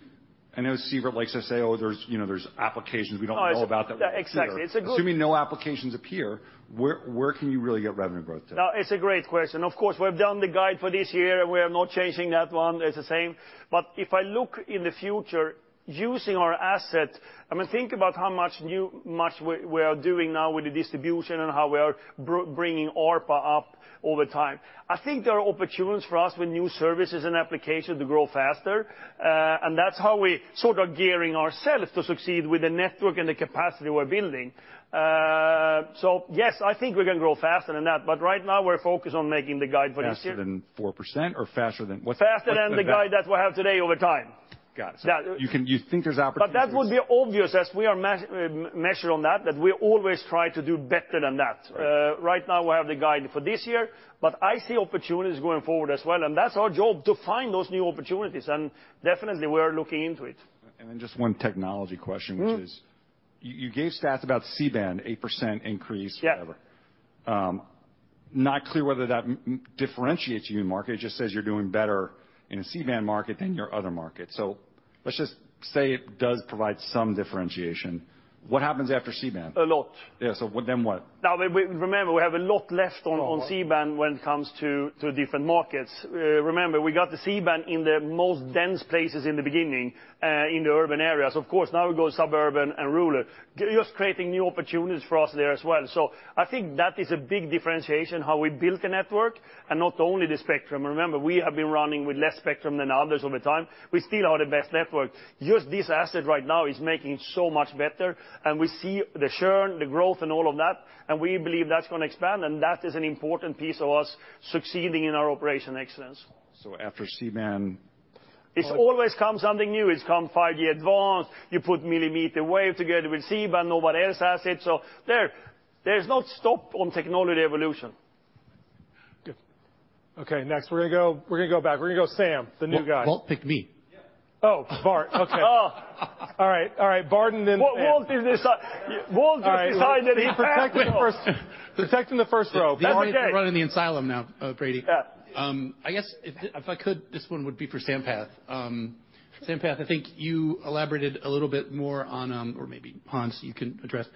I know Sievert likes to say, "Oh, there's, you know, there's applications we don't know about that- Oh, exactly. It's a good- Assuming no applications appear, where, where can you really get revenue growth to? No, it's a great question. Of course, we've done the guide for this year, and we are not changing that one. It's the same. But if I look in the future, using our asset, I mean, think about how much we are doing now with the distribution and how we are bringing ARPA up over time. I think there are opportunities for us with new services and applications to grow faster, and that's how we sort of are gearing ourselves to succeed with the network and the capacity we're building. So yes, I think we're gonna grow faster than that, but right now we're focused on making the guide for this year. Faster than 4% or faster than what- Faster than the guide that we have today over time. Got it. Yeah. You can—you think there's opportunities— But that would be obvious as we are measured on that, that we always try to do better than that. Right. Right now, we have the guide for this year, but I see opportunities going forward as well, and that's our job, to find those new opportunities, and definitely we are looking into it. And then just one technology question which is, you gave stats about C-Band, 8% increase, whatever- Yeah.... not clear whether that differentiates you in market. It just says you're doing better in a C-Band market than your other markets. So let's just say it does provide some differentiation. What happens after C-Band? A lot. Yeah, so what, then what? Now, we remember, we have a lot left on C-Band when it comes to different markets. Remember, we got the C-Band in the most dense places in the beginning, in the urban areas. Of course, now we go suburban and rural. Just creating new opportunities for us there as well. So I think that is a big differentiation, how we built the network, and not only the spectrum. Remember, we have been running with less spectrum than others over time. We still are the best network. Just this asset right now is making so much better, and we see the churn, the growth and all of that, and we believe that's gonna expand, and that is an important piece of us succeeding in our operation excellence. So after C-Band? It's always come something new. It's come five-year advance. You put millimeter wave together with C-Band, nobody else has it. So there, there's no stop on technology evolution. Good. Okay, next, we're gonna go, we're gonna go back. We're gonna go Sam, the new guy. Walt picked me. Oh, okay. Oh, all right, all right. Barton, then Sam. Well, Walt is this, Walt just decided that he- Protecting the first row. Okay. The only running the asylum now, Brady. Yeah. I guess if I could, this one would be for Sampath. Sampath, I think you elaborated a little bit more on, or maybe, Hans, you can address.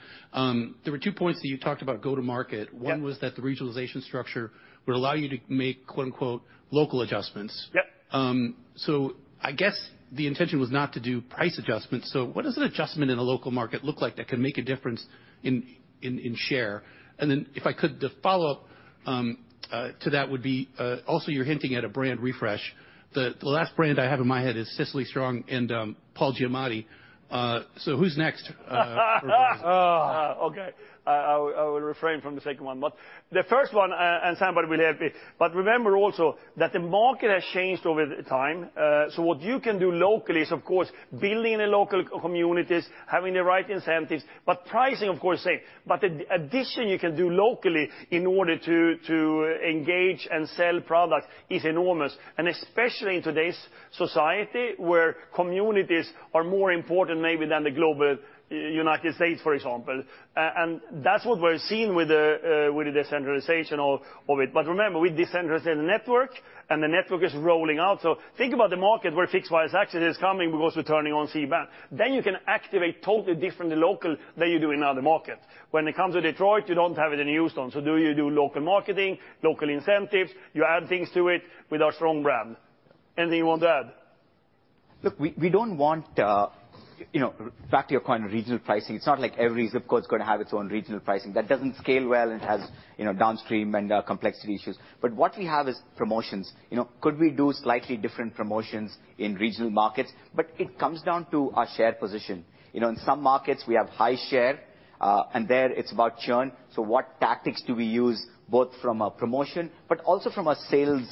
There were two points that you talked about go-to-market. Yeah. One was that the regionalization structure would allow you to make, quote-unquote, "local adjustments. Yep. So I guess the intention was not to do price adjustments, so what does an adjustment in a local market look like that can make a difference in share? And then, if I could, the follow-up to that would be also, you're hinting at a brand refresh. The last brand I have in my head is Cecily Strong and Paul Giamatti, so who's next for- Oh, okay. I will refrain from the second one. But the first one, and somebody will help me. But remember also that the market has changed over the time, so what you can do locally is, of course, building the local communities, having the right incentives, but pricing, of course, same. But the addition you can do locally in order to engage and sell products is enormous, and especially in today's society, where communities are more important maybe than the global United States, for example. And that's what we're seeing with the decentralization of it. But remember, we decentralize the network, and the network is rolling out. So think about the market where fixed wireless access is coming because we're turning on C-Band. Then you can activate totally different local than you do in other markets. When it comes to Detroit, you don't have it in Houston, so do you do local marketing, local incentives, you add things to it with our strong brand. Anything you want to add? Look, we, we don't want, you know, back to your point on regional pricing, it's not like every ZIP code is gonna have its own regional pricing. That doesn't scale well and has, you know, downstream and complexity issues. But what we have is promotions. You know, could we do slightly different promotions in regional markets? But it comes down to our share position. You know, in some markets, we have high share, and there it's about churn, so what tactics do we use, both from a promotion, but also from a sales,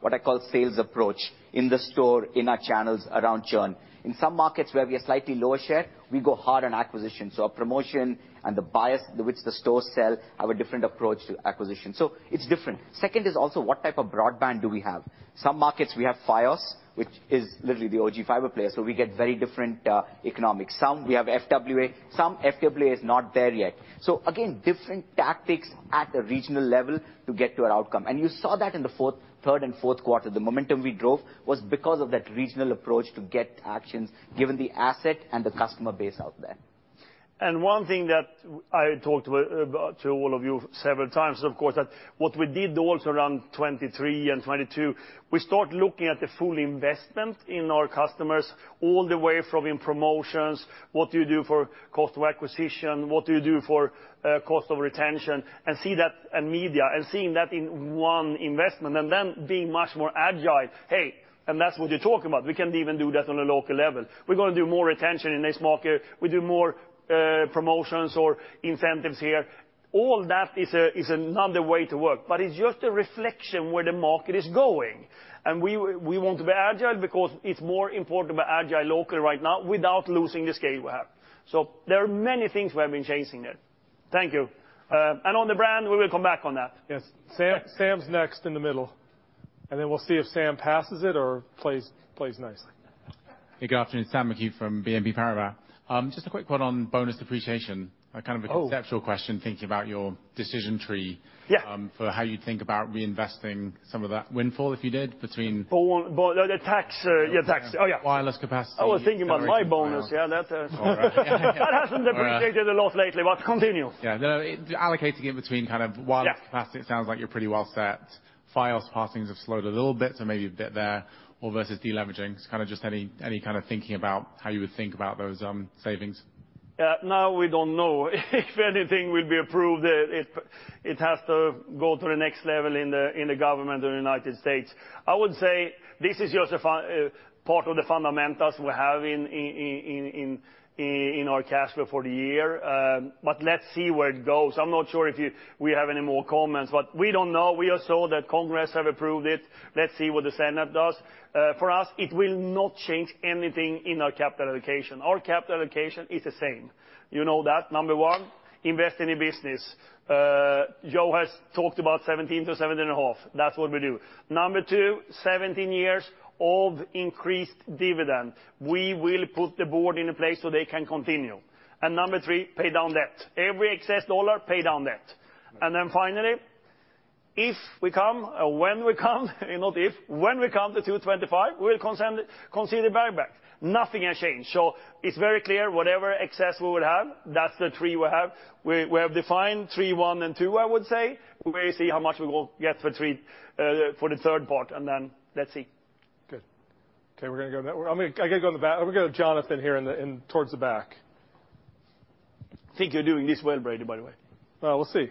what I call sales approach, in the store, in our channels around churn. In some markets where we have slightly lower share, we go hard on acquisition. So our promotion and the buyers to which the stores sell have a different approach to acquisition. So it's different. Second is also what type of broadband do we have? Some markets, we have Fios, which is literally the OG fiber player, so we get very different economics. Some, we have FWA. Some FWA is not there yet. So again, different tactics at the regional level to get to an outcome. And you saw that in the fourth, third and fourth quarter. The momentum we drove was because of that regional approach to get actions, given the asset and the customer base out there. And one thing that I talked about to all of you several times, of course, that what we did also around 2023 and 2022, we start looking at the full investment in our customers, all the way from in promotions, what do you do for cost of acquisition, what do you do for cost of retention, and see that and media, and seeing that in one investment, and then being much more agile. Hey, and that's what you're talking about. We can even do that on a local level. We're gonna do more retention in this market. We do more promotions or incentives here. All that is is another way to work, but it's just a reflection where the market is going. And we want to be agile because it's more important to be agile locally right now without losing the scale we have. There are many things we have been changing there. Thank you. On the brand, we will come back on that. Yes. Sam, Sam's next in the middle, and then we'll see if Sam passes it or plays, plays nicely. Hey, good afternoon, Sam McHugh from BNP Paribas. Just a quick one on bonus depreciation. Oh. Kind of a conceptual question, thinking about your decision tree- Yeah... for how you think about reinvesting some of that windfall, if you did, between- The tax, yeah, tax. Oh, yeah. Wireless capacity. I was thinking about my bonus. Yeah, that, All right. That hasn't depreciated a lot lately, but continue. Yeah. No, no, allocating it between kind of wireless- Yeah... capacity, it sounds like you're pretty well set. Fios passings have slowed a little bit, so maybe a bit there, or versus deleveraging. It's kinda just any, any kind of thinking about how you would think about those, savings. Yeah, now we don't know if anything will be approved. It has to go to the next level in the government of the United States. I would say this is just a part of the fundamentals we have in our cash flow for the year. But let's see where it goes. I'm not sure if you we have any more comments, but we don't know. We just saw that Congress have approved it. Let's see what the Senate does. For us, it will not change anything in our capital allocation. Our capital allocation is the same. You know that, number one, invest in your business. Joe has talked about 17-17.5. That's what we do. Number two, 17 years of increased dividend. We will put the board in place so they can continue. Number three, pay down debt. Every excess dollar, pay down debt. Then finally, if we come, or when we come, not if, when we come to 2.25, we'll consider buyback. Nothing has changed. So it's very clear, whatever excess we would have, that's the three we have. We have defined three, one, and two, I would say. We may see how much we will get for three, for the third part, and then let's see. Good. Okay, we're gonna go that way. I'm gonna. I gotta go in the back. We'll go to Jonathan here, in towards the back. I think you're doing this well, Brady, by the way. Well, we'll see.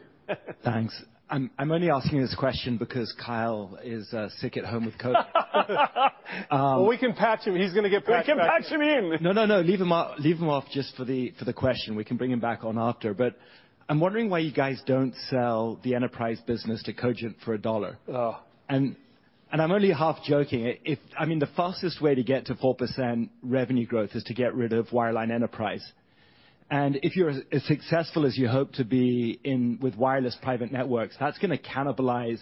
Thanks. I'm only asking this question because Kyle is sick at home with COVID. We can patch him. He's gonna get patched back in. We can patch him in. No, no, no, leave him off, leave him off just for the, for the question. We can bring him back on after. But I'm wondering why you guys don't sell the enterprise business to Cogent for $1. Oh. And I'm only half joking. If... I mean, the fastest way to get to 4% revenue growth is to get rid of wireline enterprise. And if you're as successful as you hope to be in with wireless private networks, that's gonna cannibalize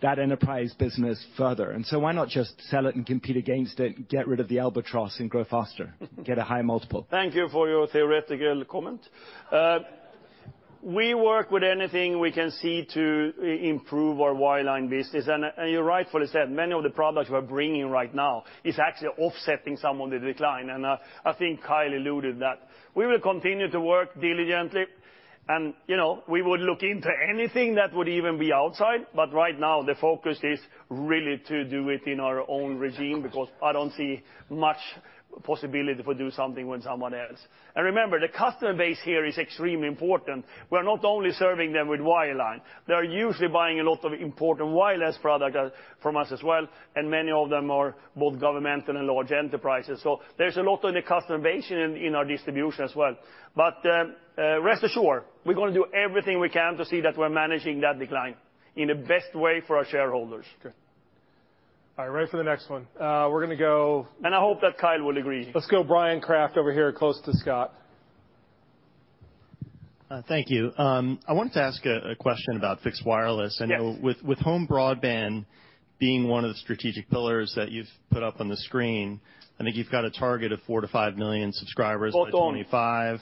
that enterprise business further. And so why not just sell it and compete against it, get rid of the albatross, and grow faster, get a higher multiple? Thank you for your theoretical comment. We work with anything we can see to improve our wireline business, and you rightfully said, many of the products we're bringing right now is actually offsetting some of the decline, and I think Kyle alluded that. We will continue to work diligently, and you know, we would look into anything that would even be outside, but right now, the focus is really to do it in our own regime, because I don't see much possibility for do something with someone else. And remember, the customer base here is extremely important. We're not only serving them with wireline. They're usually buying a lot of important wireless product from us as well, and many of them are both government and large enterprises. So there's a lot on the customer base in our distribution as well. Rest assured, we're gonna do everything we can to see that we're managing that decline in the best way for our s hareholders. Okay. All right, ready for the next one. We're gonna go- I hope that Kyle will agree. Let's go, Bryan Kraft, over here, close to Scott. Thank you. I wanted to ask a question about fixed wireless. Yes. I know with home broadband being one of the strategic pillars that you've put up on the screen, I think you've got a target of 4 million-5 million subscribers- Spot on. By 2025.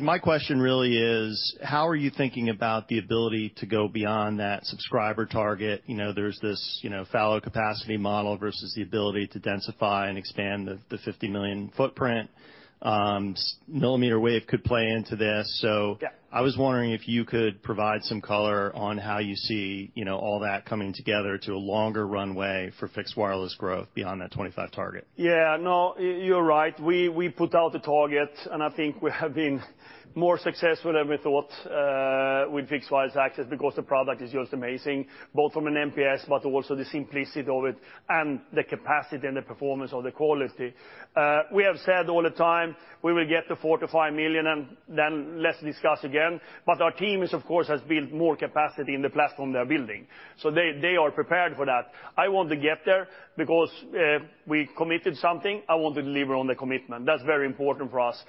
My question really is, how are you thinking about the ability to go beyond that subscriber target? You know, there's this, you know, fallow capacity model versus the ability to densify and expand the 50 million footprint. Millimeter Wave could play into this. Yeah. I was wondering if you could provide some color on how you see, you know, all that coming together to a longer runway for fixed wireless growth beyond that 25 target? Yeah. No, you're right. We put out a target, and I think we have been more successful than we thought with fixed wireless access, because the product is just amazing, both from an NPS but also the simplicity of it and the capacity and the performance of the quality. We have said all the time, we will get to 4 million-5 million, and then let's discuss again, but our team is, of course, has built more capacity in the platform they are building, so they are prepared for that. I want to get there because we committed something. I want to deliver on the commitment. That's very important for us.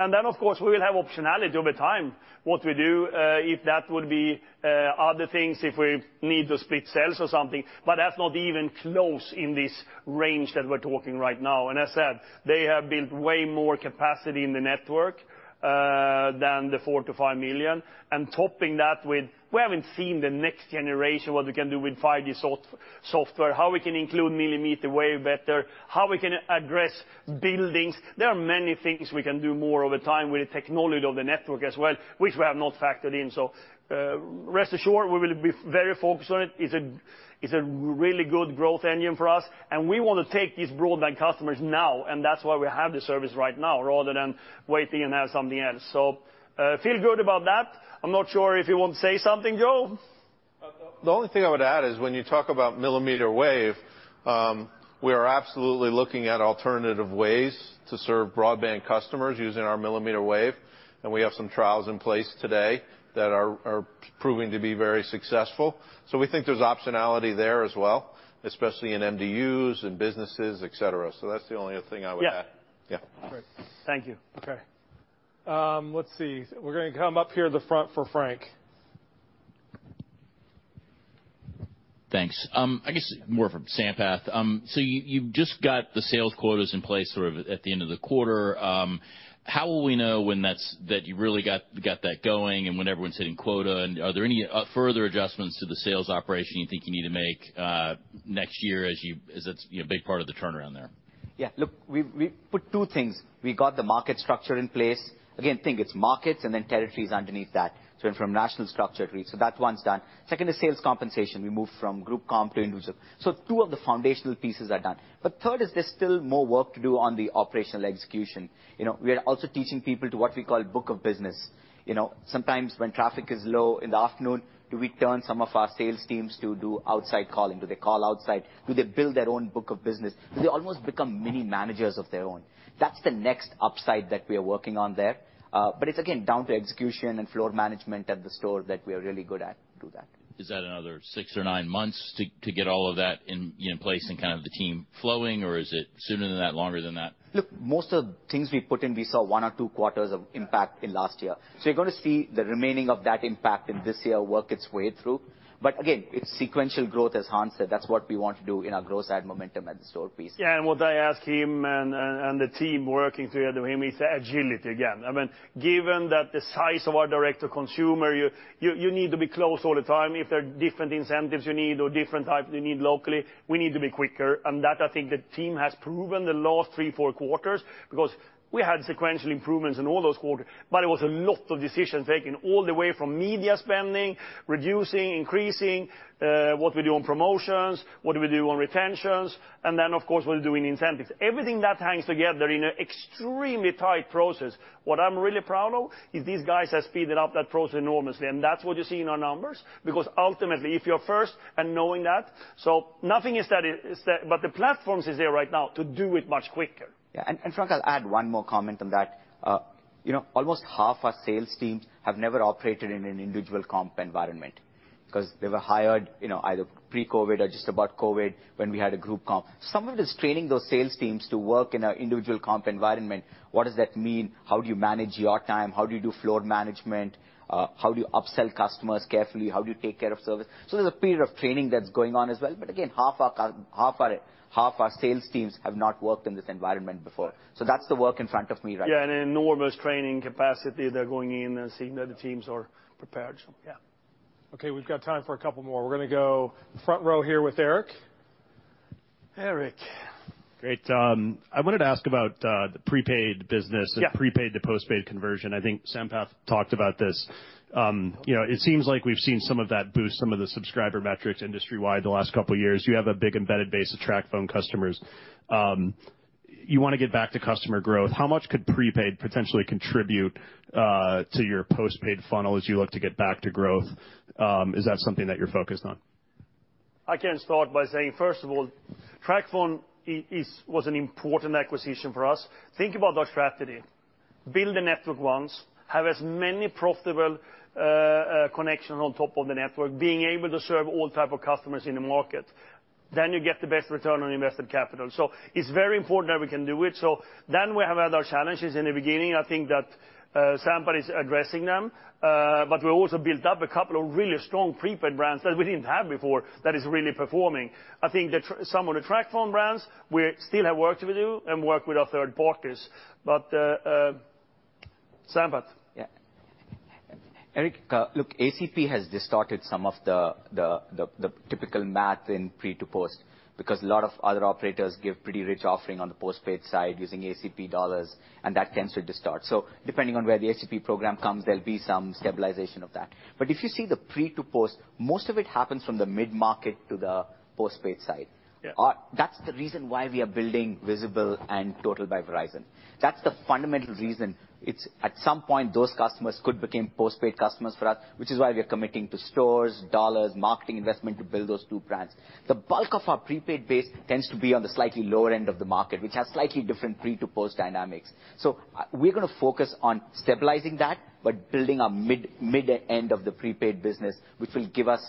And then, of course, we will have optionality over time, what we do, if that would be other things, if we need to split sales or something, but that's not even close in this range that we're talking right now. And as said, they have built way more capacity in the network than the 4 million-5 million, and topping that with... We haven't seen the next generation, what we can do with 5G software, how we can include millimeter wave better, how we can address buildings. There are many things we can do more over time with the technology of the network as well, which we have not factored in. So, rest assured, we will be very focused on it. It's a really good growth engine for us, and we want to take these broadband customers now, and that's why we have the service right now rather than waiting and have something else. So, feel good about that. I'm not sure if you want to say something, Joe? The only thing I would add is when you talk about millimeter wave, we are absolutely looking at alternative ways to serve broadband customers using our millimeter wave, and we have some trials in place today that are proving to be very successful. So we think there's optionality there as well, especially in MDUs and businesses, et cetera. So that's the only other thing I would add. Yeah. Yeah. Great. Thank you. Okay. Let's see. We're gonna come up here at the front for Frank. Thanks. I guess more from Sampath. So you, you've just got the sales quotas in place sort of at the end of the quarter. How will we know when that's, that you really got, got that going and when everyone's hitting quota, and are there any further adjustments to the sales operation you think you need to make next year as you, as it's, you know, a big part of the turnaround there? Yeah. Look, we've put two things. We got the market structure in place. Again, think it's markets and then territories underneath that, so from national structure to region. So that one's done. Second is sales compensation. We moved from group comp to individual. So two of the foundational pieces are done. But third is there's still more work to do on the operational execution. You know, we are also teaching people to what we call book of business. You know, sometimes when traffic is low in the afternoon, do we turn some of our sales teams to do outside calling? Do they call outside? Do they build their own book of business? Do they almost become mini managers of their own? That's the next upside that we are working on there. But it's again down to execution and floor management at the store that we are really good at, do that. Is that another six or nine months to get all of that in, you know, place and kind of the team flowing, or is it sooner than that, longer than that? Look, most of the things we put in, we saw one or two quarters of impact in last year. So you're gonna see the remaining of that impact in this year work its way through.... But again, it's sequential growth, as Hans said, that's what we want to do in our growth and momentum at the store piece. Yeah, and what I ask him and the team working together with him is agility again. I mean, given that the size of our direct consumer, you need to be close all the time. If there are different incentives you need or different types you need locally, we need to be quicker, and that I think the team has proven the last three, four quarters, because we had sequential improvements in all those quarters, but it was a lot of decisions taken all the way from media spending, reducing, increasing, what we do on promotions, what do we do on retentions, and then, of course, what we do in incentives. Everything that hangs together in an extremely tight process. What I'm really proud of is these guys have speeded up that process enormously, and that's what you see in our numbers, because ultimately, if you're first and knowing that... But the platforms is there right now to do it much quicker. Yeah, and Frank, I'll add one more comment on that. You know, almost half our sales teams have never operated in an individual comp environment because they were hired, you know, either pre-COVID or just about COVID, when we had a group comp. Some of this training those sales teams to work in an individual comp environment, what does that mean? How do you manage your time? How do you do floor management? How do you upsell customers carefully? How do you take care of service? So there's a period of training that's going on as well. But again, half our sales teams have not worked in this environment before. So that's the work in front of me right now. Yeah, and enormous training capacity they're going in and seeing that the teams are prepared, so yeah. Okay, we've got time for a couple more. We're gonna go front row here with Eric. Eric. Great, I wanted to ask about the prepaid business- Yeah. And prepaid to postpaid conversion. I think Sampath talked about this. You know, it seems like we've seen some of that boost some of the subscriber metrics industry-wide the last couple of years. You have a big embedded base of TracFone customers. You want to get back to customer growth. How much could prepaid potentially contribute to your postpaid funnel as you look to get back to growth? Is that something that you're focused on? I can start by saying, first of all, TracFone is, was an important acquisition for us. Think about our strategy. Build a network once, have as many profitable connection on top of the network, being able to serve all type of customers in the market, then you get the best return on invested capital. So it's very important that we can do it. So then we have had our challenges in the beginning. I think that Sampath is addressing them, but we also built up a couple of really strong prepaid brands that we didn't have before that is really performing. I think some of the TracFone brands, we still have work to do and work with our third partners. But Sampath? Yeah. Eric, look, ACP has distorted some of the typical math in pre to post because a lot of other operators give pretty rich offering on the postpaid side using ACP dollars, and that tends to distort. So depending on where the ACP program comes, there'll be some stabilization of that. But if you see the pre to post, most of it happens from the mid-market to the postpaid side. Yeah. That's the reason why we are building Visible and Total by Verizon. That's the fundamental reason. It's at some point, those customers could become postpaid customers for us, which is why we are committing to stores, dollars, marketing investment to build those two brands. The bulk of our prepaid base tends to be on the slightly lower end of the market, which has slightly different pre to post dynamics. So we're gonna focus on stabilizing that, but building a mid, mid end of the prepaid business, which will give us,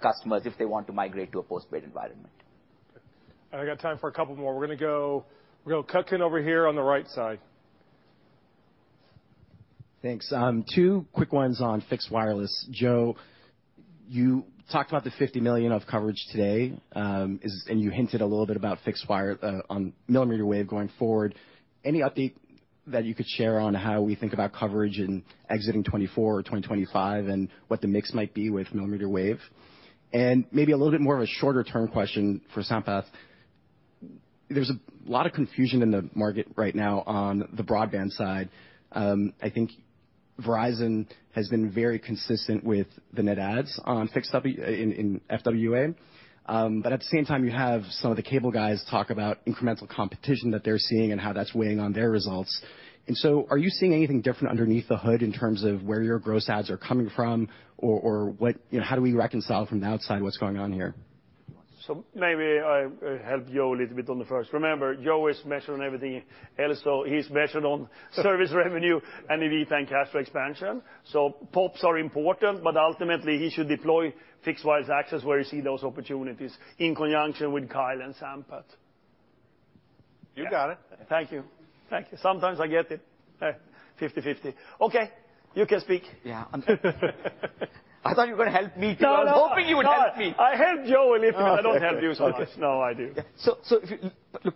customers if they want to migrate to a postpaid environment. I got time for a couple more. We're going to go... We're going to cut in over here on the right side. Thanks. Two quick ones on fixed wireless. Joe, you talked about the 50 million of coverage today, and you hinted a little bit about fixed wire, on millimeter wave going forward. Any update that you could share on how we think about coverage in exiting 2024 or 2025, and what the mix might be with millimeter wave? Maybe a little bit more of a shorter-term question for Sampath. There's a lot of confusion in the market right now on the broadband side. I think Verizon has been very consistent with the net adds on fixed wireless in FWA, but at the same time, you have some of the cable guys talk about incremental competition that they're seeing and how that's weighing on their results. And so are you seeing anything different underneath the hood in terms of where your gross adds are coming from, or, or what, you know, how do we reconcile from the outside what's going on here? So maybe I help Joe a little bit on the first. Remember, Joe is measured on everything else, so he's measured on service revenue and EBITDA and cash flow expansion. So POPs are important, but ultimately, he should deploy fixed wireless access where you see those opportunities in conjunction with Kyle and Sampath. You got it. Thank you. Thank you. Sometimes I get it 50/50. Okay, you can speak. Yeah, I'm... I thought you were going to help me, too. No, no. I was hoping you would help me. I helped Joe a little bit. I don't help you so much. No, I do. So if you look,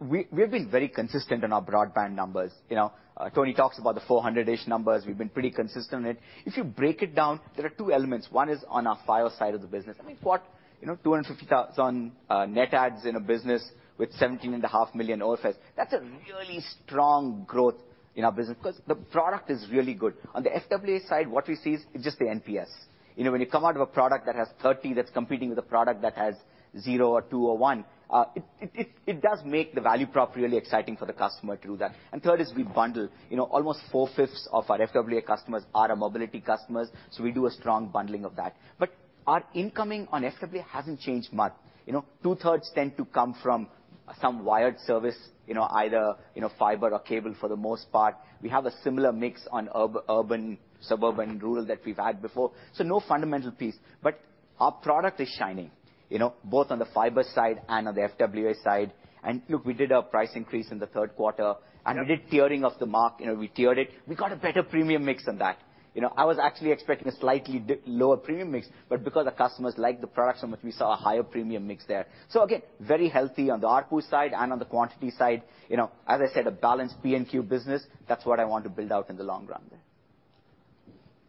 we've been very consistent on our broadband numbers. You know, Tony talks about the 400-ish numbers. We've been pretty consistent on it. If you break it down, there are two elements. One is on our Fios side of the business. I mean, what, you know, 250,000 net adds in a business with 17.5 million offices, that's a really strong growth in our business because the product is really good. On the FWA side, what we see is just the NPS. You know, when you come out of a product that has 30, that's competing with a product that has zero, two or one, it does make the value prop really exciting for the customer to do that. And third is we bundle. You know, almost four-fifths of our FWA customers are our mobility customers, so we do a strong bundling of that. But our incoming on FWA hasn't changed much. You know, two-thirds tend to come from some wired service, you know, either, you know, fiber or cable, for the most part. We have a similar mix on urban, suburban, and rural that we've had before. So no fundamental piece, but our product is shining, you know, both on the fiber side and on the FWA side. And look, we did a price increase in the third quarter, and we did tiering of the market. You know, we tiered it. We got a better premium mix than that. You know, I was actually expecting a slightly lower premium mix, but because the customers like the products so much, we saw a higher premium mix there. So again, very healthy on the ARPU side and on the quantity side. You know, as I said, a balanced P&Q business, that's what I want to build out in the long run there.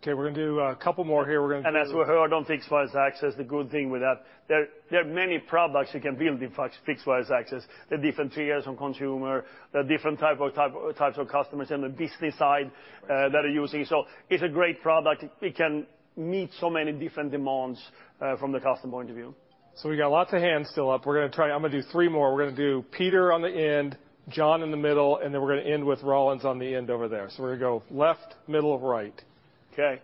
Okay, we're gonna do a couple more here. We're gonna do- As we heard on fixed wireless access, the good thing with that, there are many products you can build in fixed wireless access. The different tiers on consumer, the different types of customers on the business side that are using. So it's a great product. It can meet so many different demands from the customer point of view. So we got lots of hands still up. We're gonna try... I'm gonna do three more. We're gonna do Peter on the end, John in the middle, and then we're gonna end with Rollins on the end over there. So we're gonna go left, middle, right. Okay?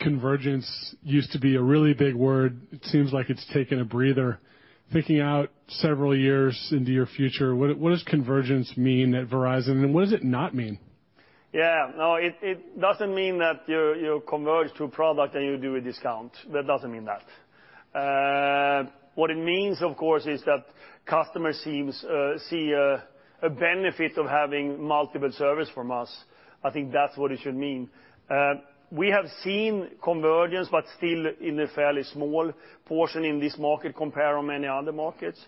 Convergence used to be a really big word. It seems like it's taken a breather. Thinking out several years into your future, what does convergence mean at Verizon, and what does it not mean? Yeah. No, it doesn't mean that you converge two product and you do a discount. That doesn't mean that. What it means, of course, is that customers seems see a benefit of having multiple service from us. I think that's what it should mean. We have seen convergence, but still in a fairly small portion in this market compared on many other markets.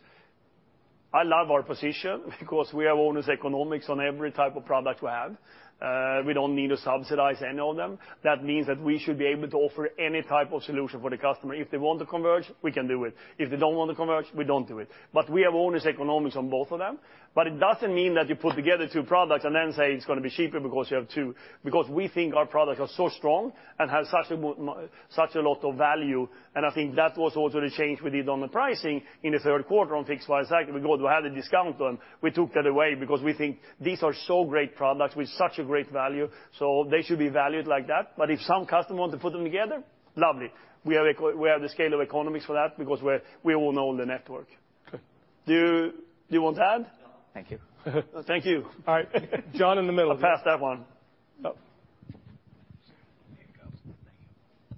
I love our position because we have owner's economics on every type of product we have. We don't need to subsidize any of them. That means that we should be able to offer any type of solution for the customer. If they want to converge, we can do it. If they don't want to converge, we don't do it. But we have owner's economics on both of them, but it doesn't mean that you put together two products and then say it's gonna be cheaper because you have two. Because we think our products are so strong and has such a lot of value, and I think that was also the change we did on the pricing in the third quarter on fixed wireless access, because we had a discount on. We took that away because we think these are so great products with such a great value, so they should be valued like that. But if some customer want to put them together, lovely. We have the scale of economies for that because we all own the network. Okay. Do you want to add? No, thank you. Thank you. All right. John, in the middle. I'll pass that one. Oh.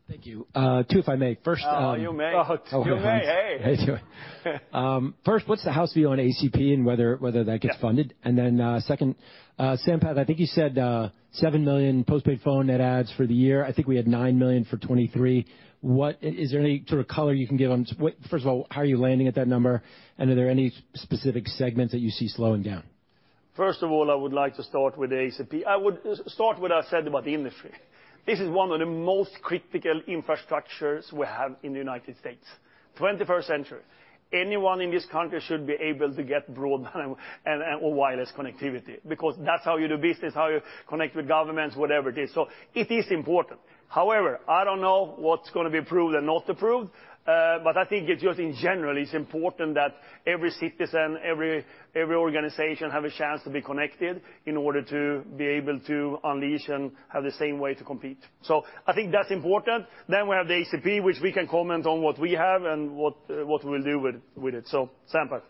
Thank you. Two, if I may. First, Oh, you may. Oh, you may. Hey! First, what's the house view on ACP and whether that gets funded? Yeah. Second, Sampath, I think you said 7 million postpaid phone net adds for the year. I think we had 9 million for 2023. What... is there any sort of color you can give on w- First of all, how are you landing at that number, and are there any specific segments that you see slowing down? First of all, I would like to start with the ACP. I would start what I said about the industry. This is one of the most critical infrastructures we have in the United States. 21st century, anyone in this country should be able to get broadband and, and, or wireless connectivity, because that's how you do business, how you connect with governments, whatever it is. So it is important. However, I don't know what's gonna be approved and not approved, but I think it's just in general, it's important that every citizen, every, every organization have a chance to be connected in order to be able to unleash and have the same way to compete. So I think that's important. Then we have the ACP, which we can comment on what we have and what, what we'll do with, with it. So, Sampath?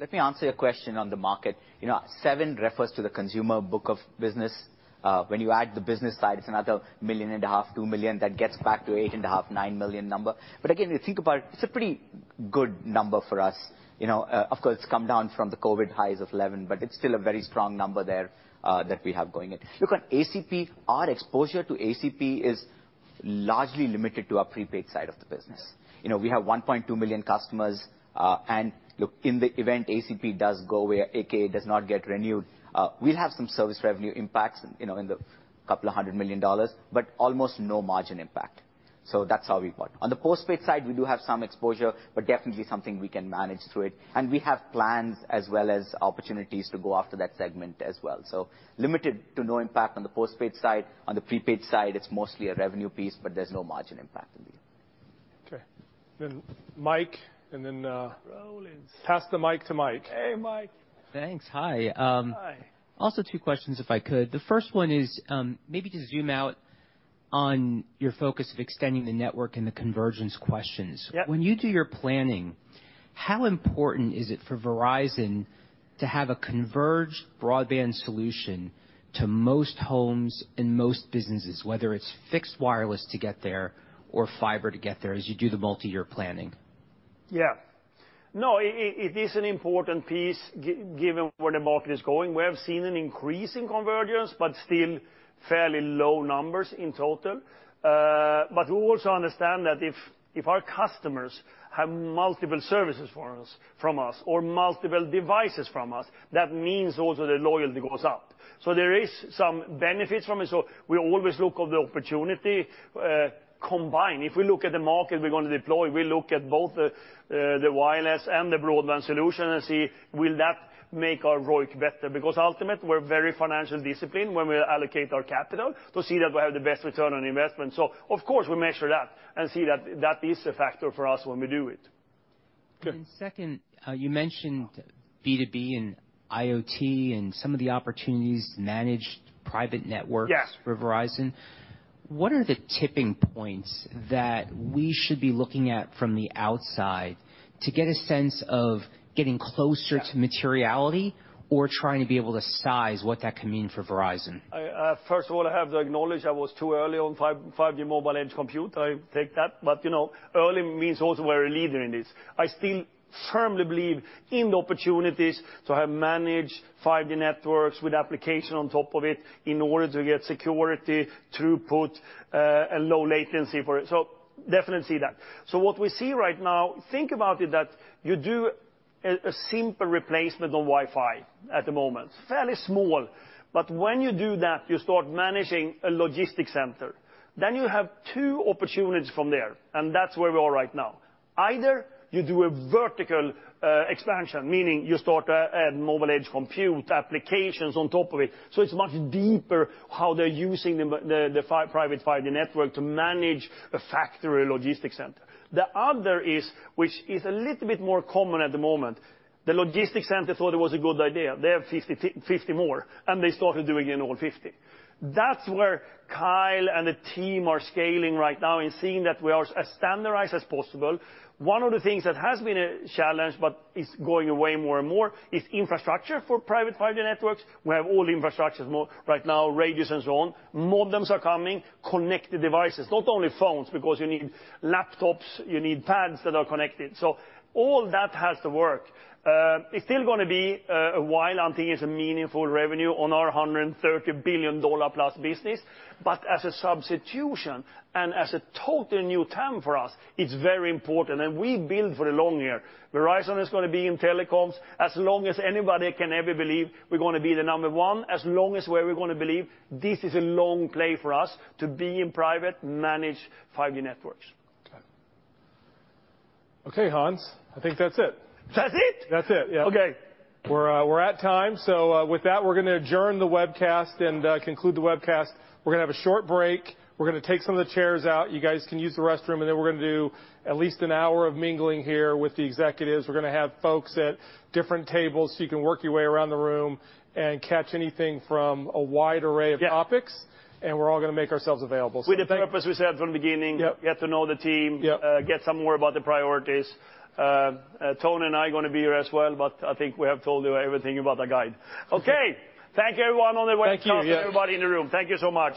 Let me answer your question on the market. You know, seven refers to the consumer book of business. When you add the business side, it's another 1.5 million-2 million, that gets back to 8.5 million-9 million number. But again, you think about it, it's a pretty good number for us. You know, of course, it's come down from the COVID highs of 11, but it's still a very strong number there, that we have going in. Look, on ACP, our exposure to ACP is largely limited to our prepaid side of the business. You know, we have 1.2 million customers, and look, in the event ACP does go away, aka does not get renewed, we'll have some service revenue impacts, you know, in the $200 million, but almost no margin impact. On the postpaid side, we do have some exposure, but definitely something we can manage through it. We have plans as well as opportunities to go after that segment as well. Limited to no impact on the postpaid side. On the prepaid side, it's mostly a revenue piece, but there's no margin impact in there. Okay. Then Mike, and then, Rollins. Pass the mic to Mike. Hey, Mike. Thanks. Hi. Hi. Also, two questions, if I could. The first one is, maybe to zoom out on your focus of extending the network and the convergence questions. Yep. When you do your planning, how important is it for Verizon to have a converged broadband solution to most homes and most businesses, whether it's fixed wireless to get there or fiber to get there, as you do the multiyear planning? Yeah. No, it is an important piece given where the market is going. We have seen an increase in convergence, but still fairly low numbers in total. But we also understand that if our customers have multiple services for us, from us or multiple devices from us, that means also the loyalty goes up. So there is some benefits from it, so we always look for the opportunity combined. If we look at the market we're going to deploy, we look at both the wireless and the broadband solution and see, will that make our ROIC better? Because ultimately, we're very financially disciplined when we allocate our capital to see that we have the best return on investment. So of course, we measure that and see that that is a factor for us when we do it. Okay. And second, you mentioned B2B and IoT and some of the opportunities, managed private networks... Yes... for Verizon. What are the tipping points that we should be looking at from the outside to get a sense of getting closer- Yeah to materiality or trying to be able to size what that can mean for Verizon? I first of all, I have to acknowledge I was too early on 5G mobile edge compute. I take that, but, you know, early means also we're a leader in this. I firmly believe in the opportunities to have managed 5G networks with application on top of it in order to get security, throughput, and low latency for it. So definitely see that. So what we see right now, think about it, that you do a simple replacement on Wi-Fi at the moment, fairly small, but when you do that, you start managing a logistics center. Then you have two opportunities from there, and that's where we are right now. Either you do a vertical expansion, meaning you start a mobile edge compute applications on top of it, so it's much deeper how they're using the private 5G network to manage a factory logistics center. The other is, which is a little bit more common at the moment, the logistics center thought it was a good idea. They have 50 more, and they started doing in all 50. That's where Kyle and the team are scaling right now and seeing that we are as standardized as possible. One of the things that has been a challenge, but is going away more and more, is infrastructure for private 5G networks. We have all the infrastructures more right now, radios and so on. Modems are coming, connected devices, not only phones, because you need laptops, you need pads that are connected, so all that has to work. It's still gonna be a while until it's a meaningful revenue on our $130 billion+ business, but as a substitution and as a total new term for us, it's very important, and we build for the long year. Verizon is gonna be in telecoms. As long as anybody can ever believe, we're gonna be the number one, as long as where we're gonna believe this is a long play for us to be in private managed 5G networks. Okay. Okay, Hans, I think that's it. That's it? That's it, yeah. Okay. We're at time, so with that, we're gonna adjourn the webcast and conclude the webcast. We're gonna have a short break. We're gonna take some of the chairs out. You guys can use the restroom, and then we're gonna do at least an hour of mingling here with the executives. We're gonna have folks at different tables, so you can work your way around the room and catch anything from a wide array of topics. Yeah. We're all gonna make ourselves available, so thank- With the purpose we said from the beginning- Yep. Get to know the team. Yep. Get some more about the priorities. Tony and I are gonna be here as well, but I think we have told you everything about the guide. That's it. Okay! Thank you, everyone, on the webcast- Thank you, yeah. Everybody in the room. Thank you so much.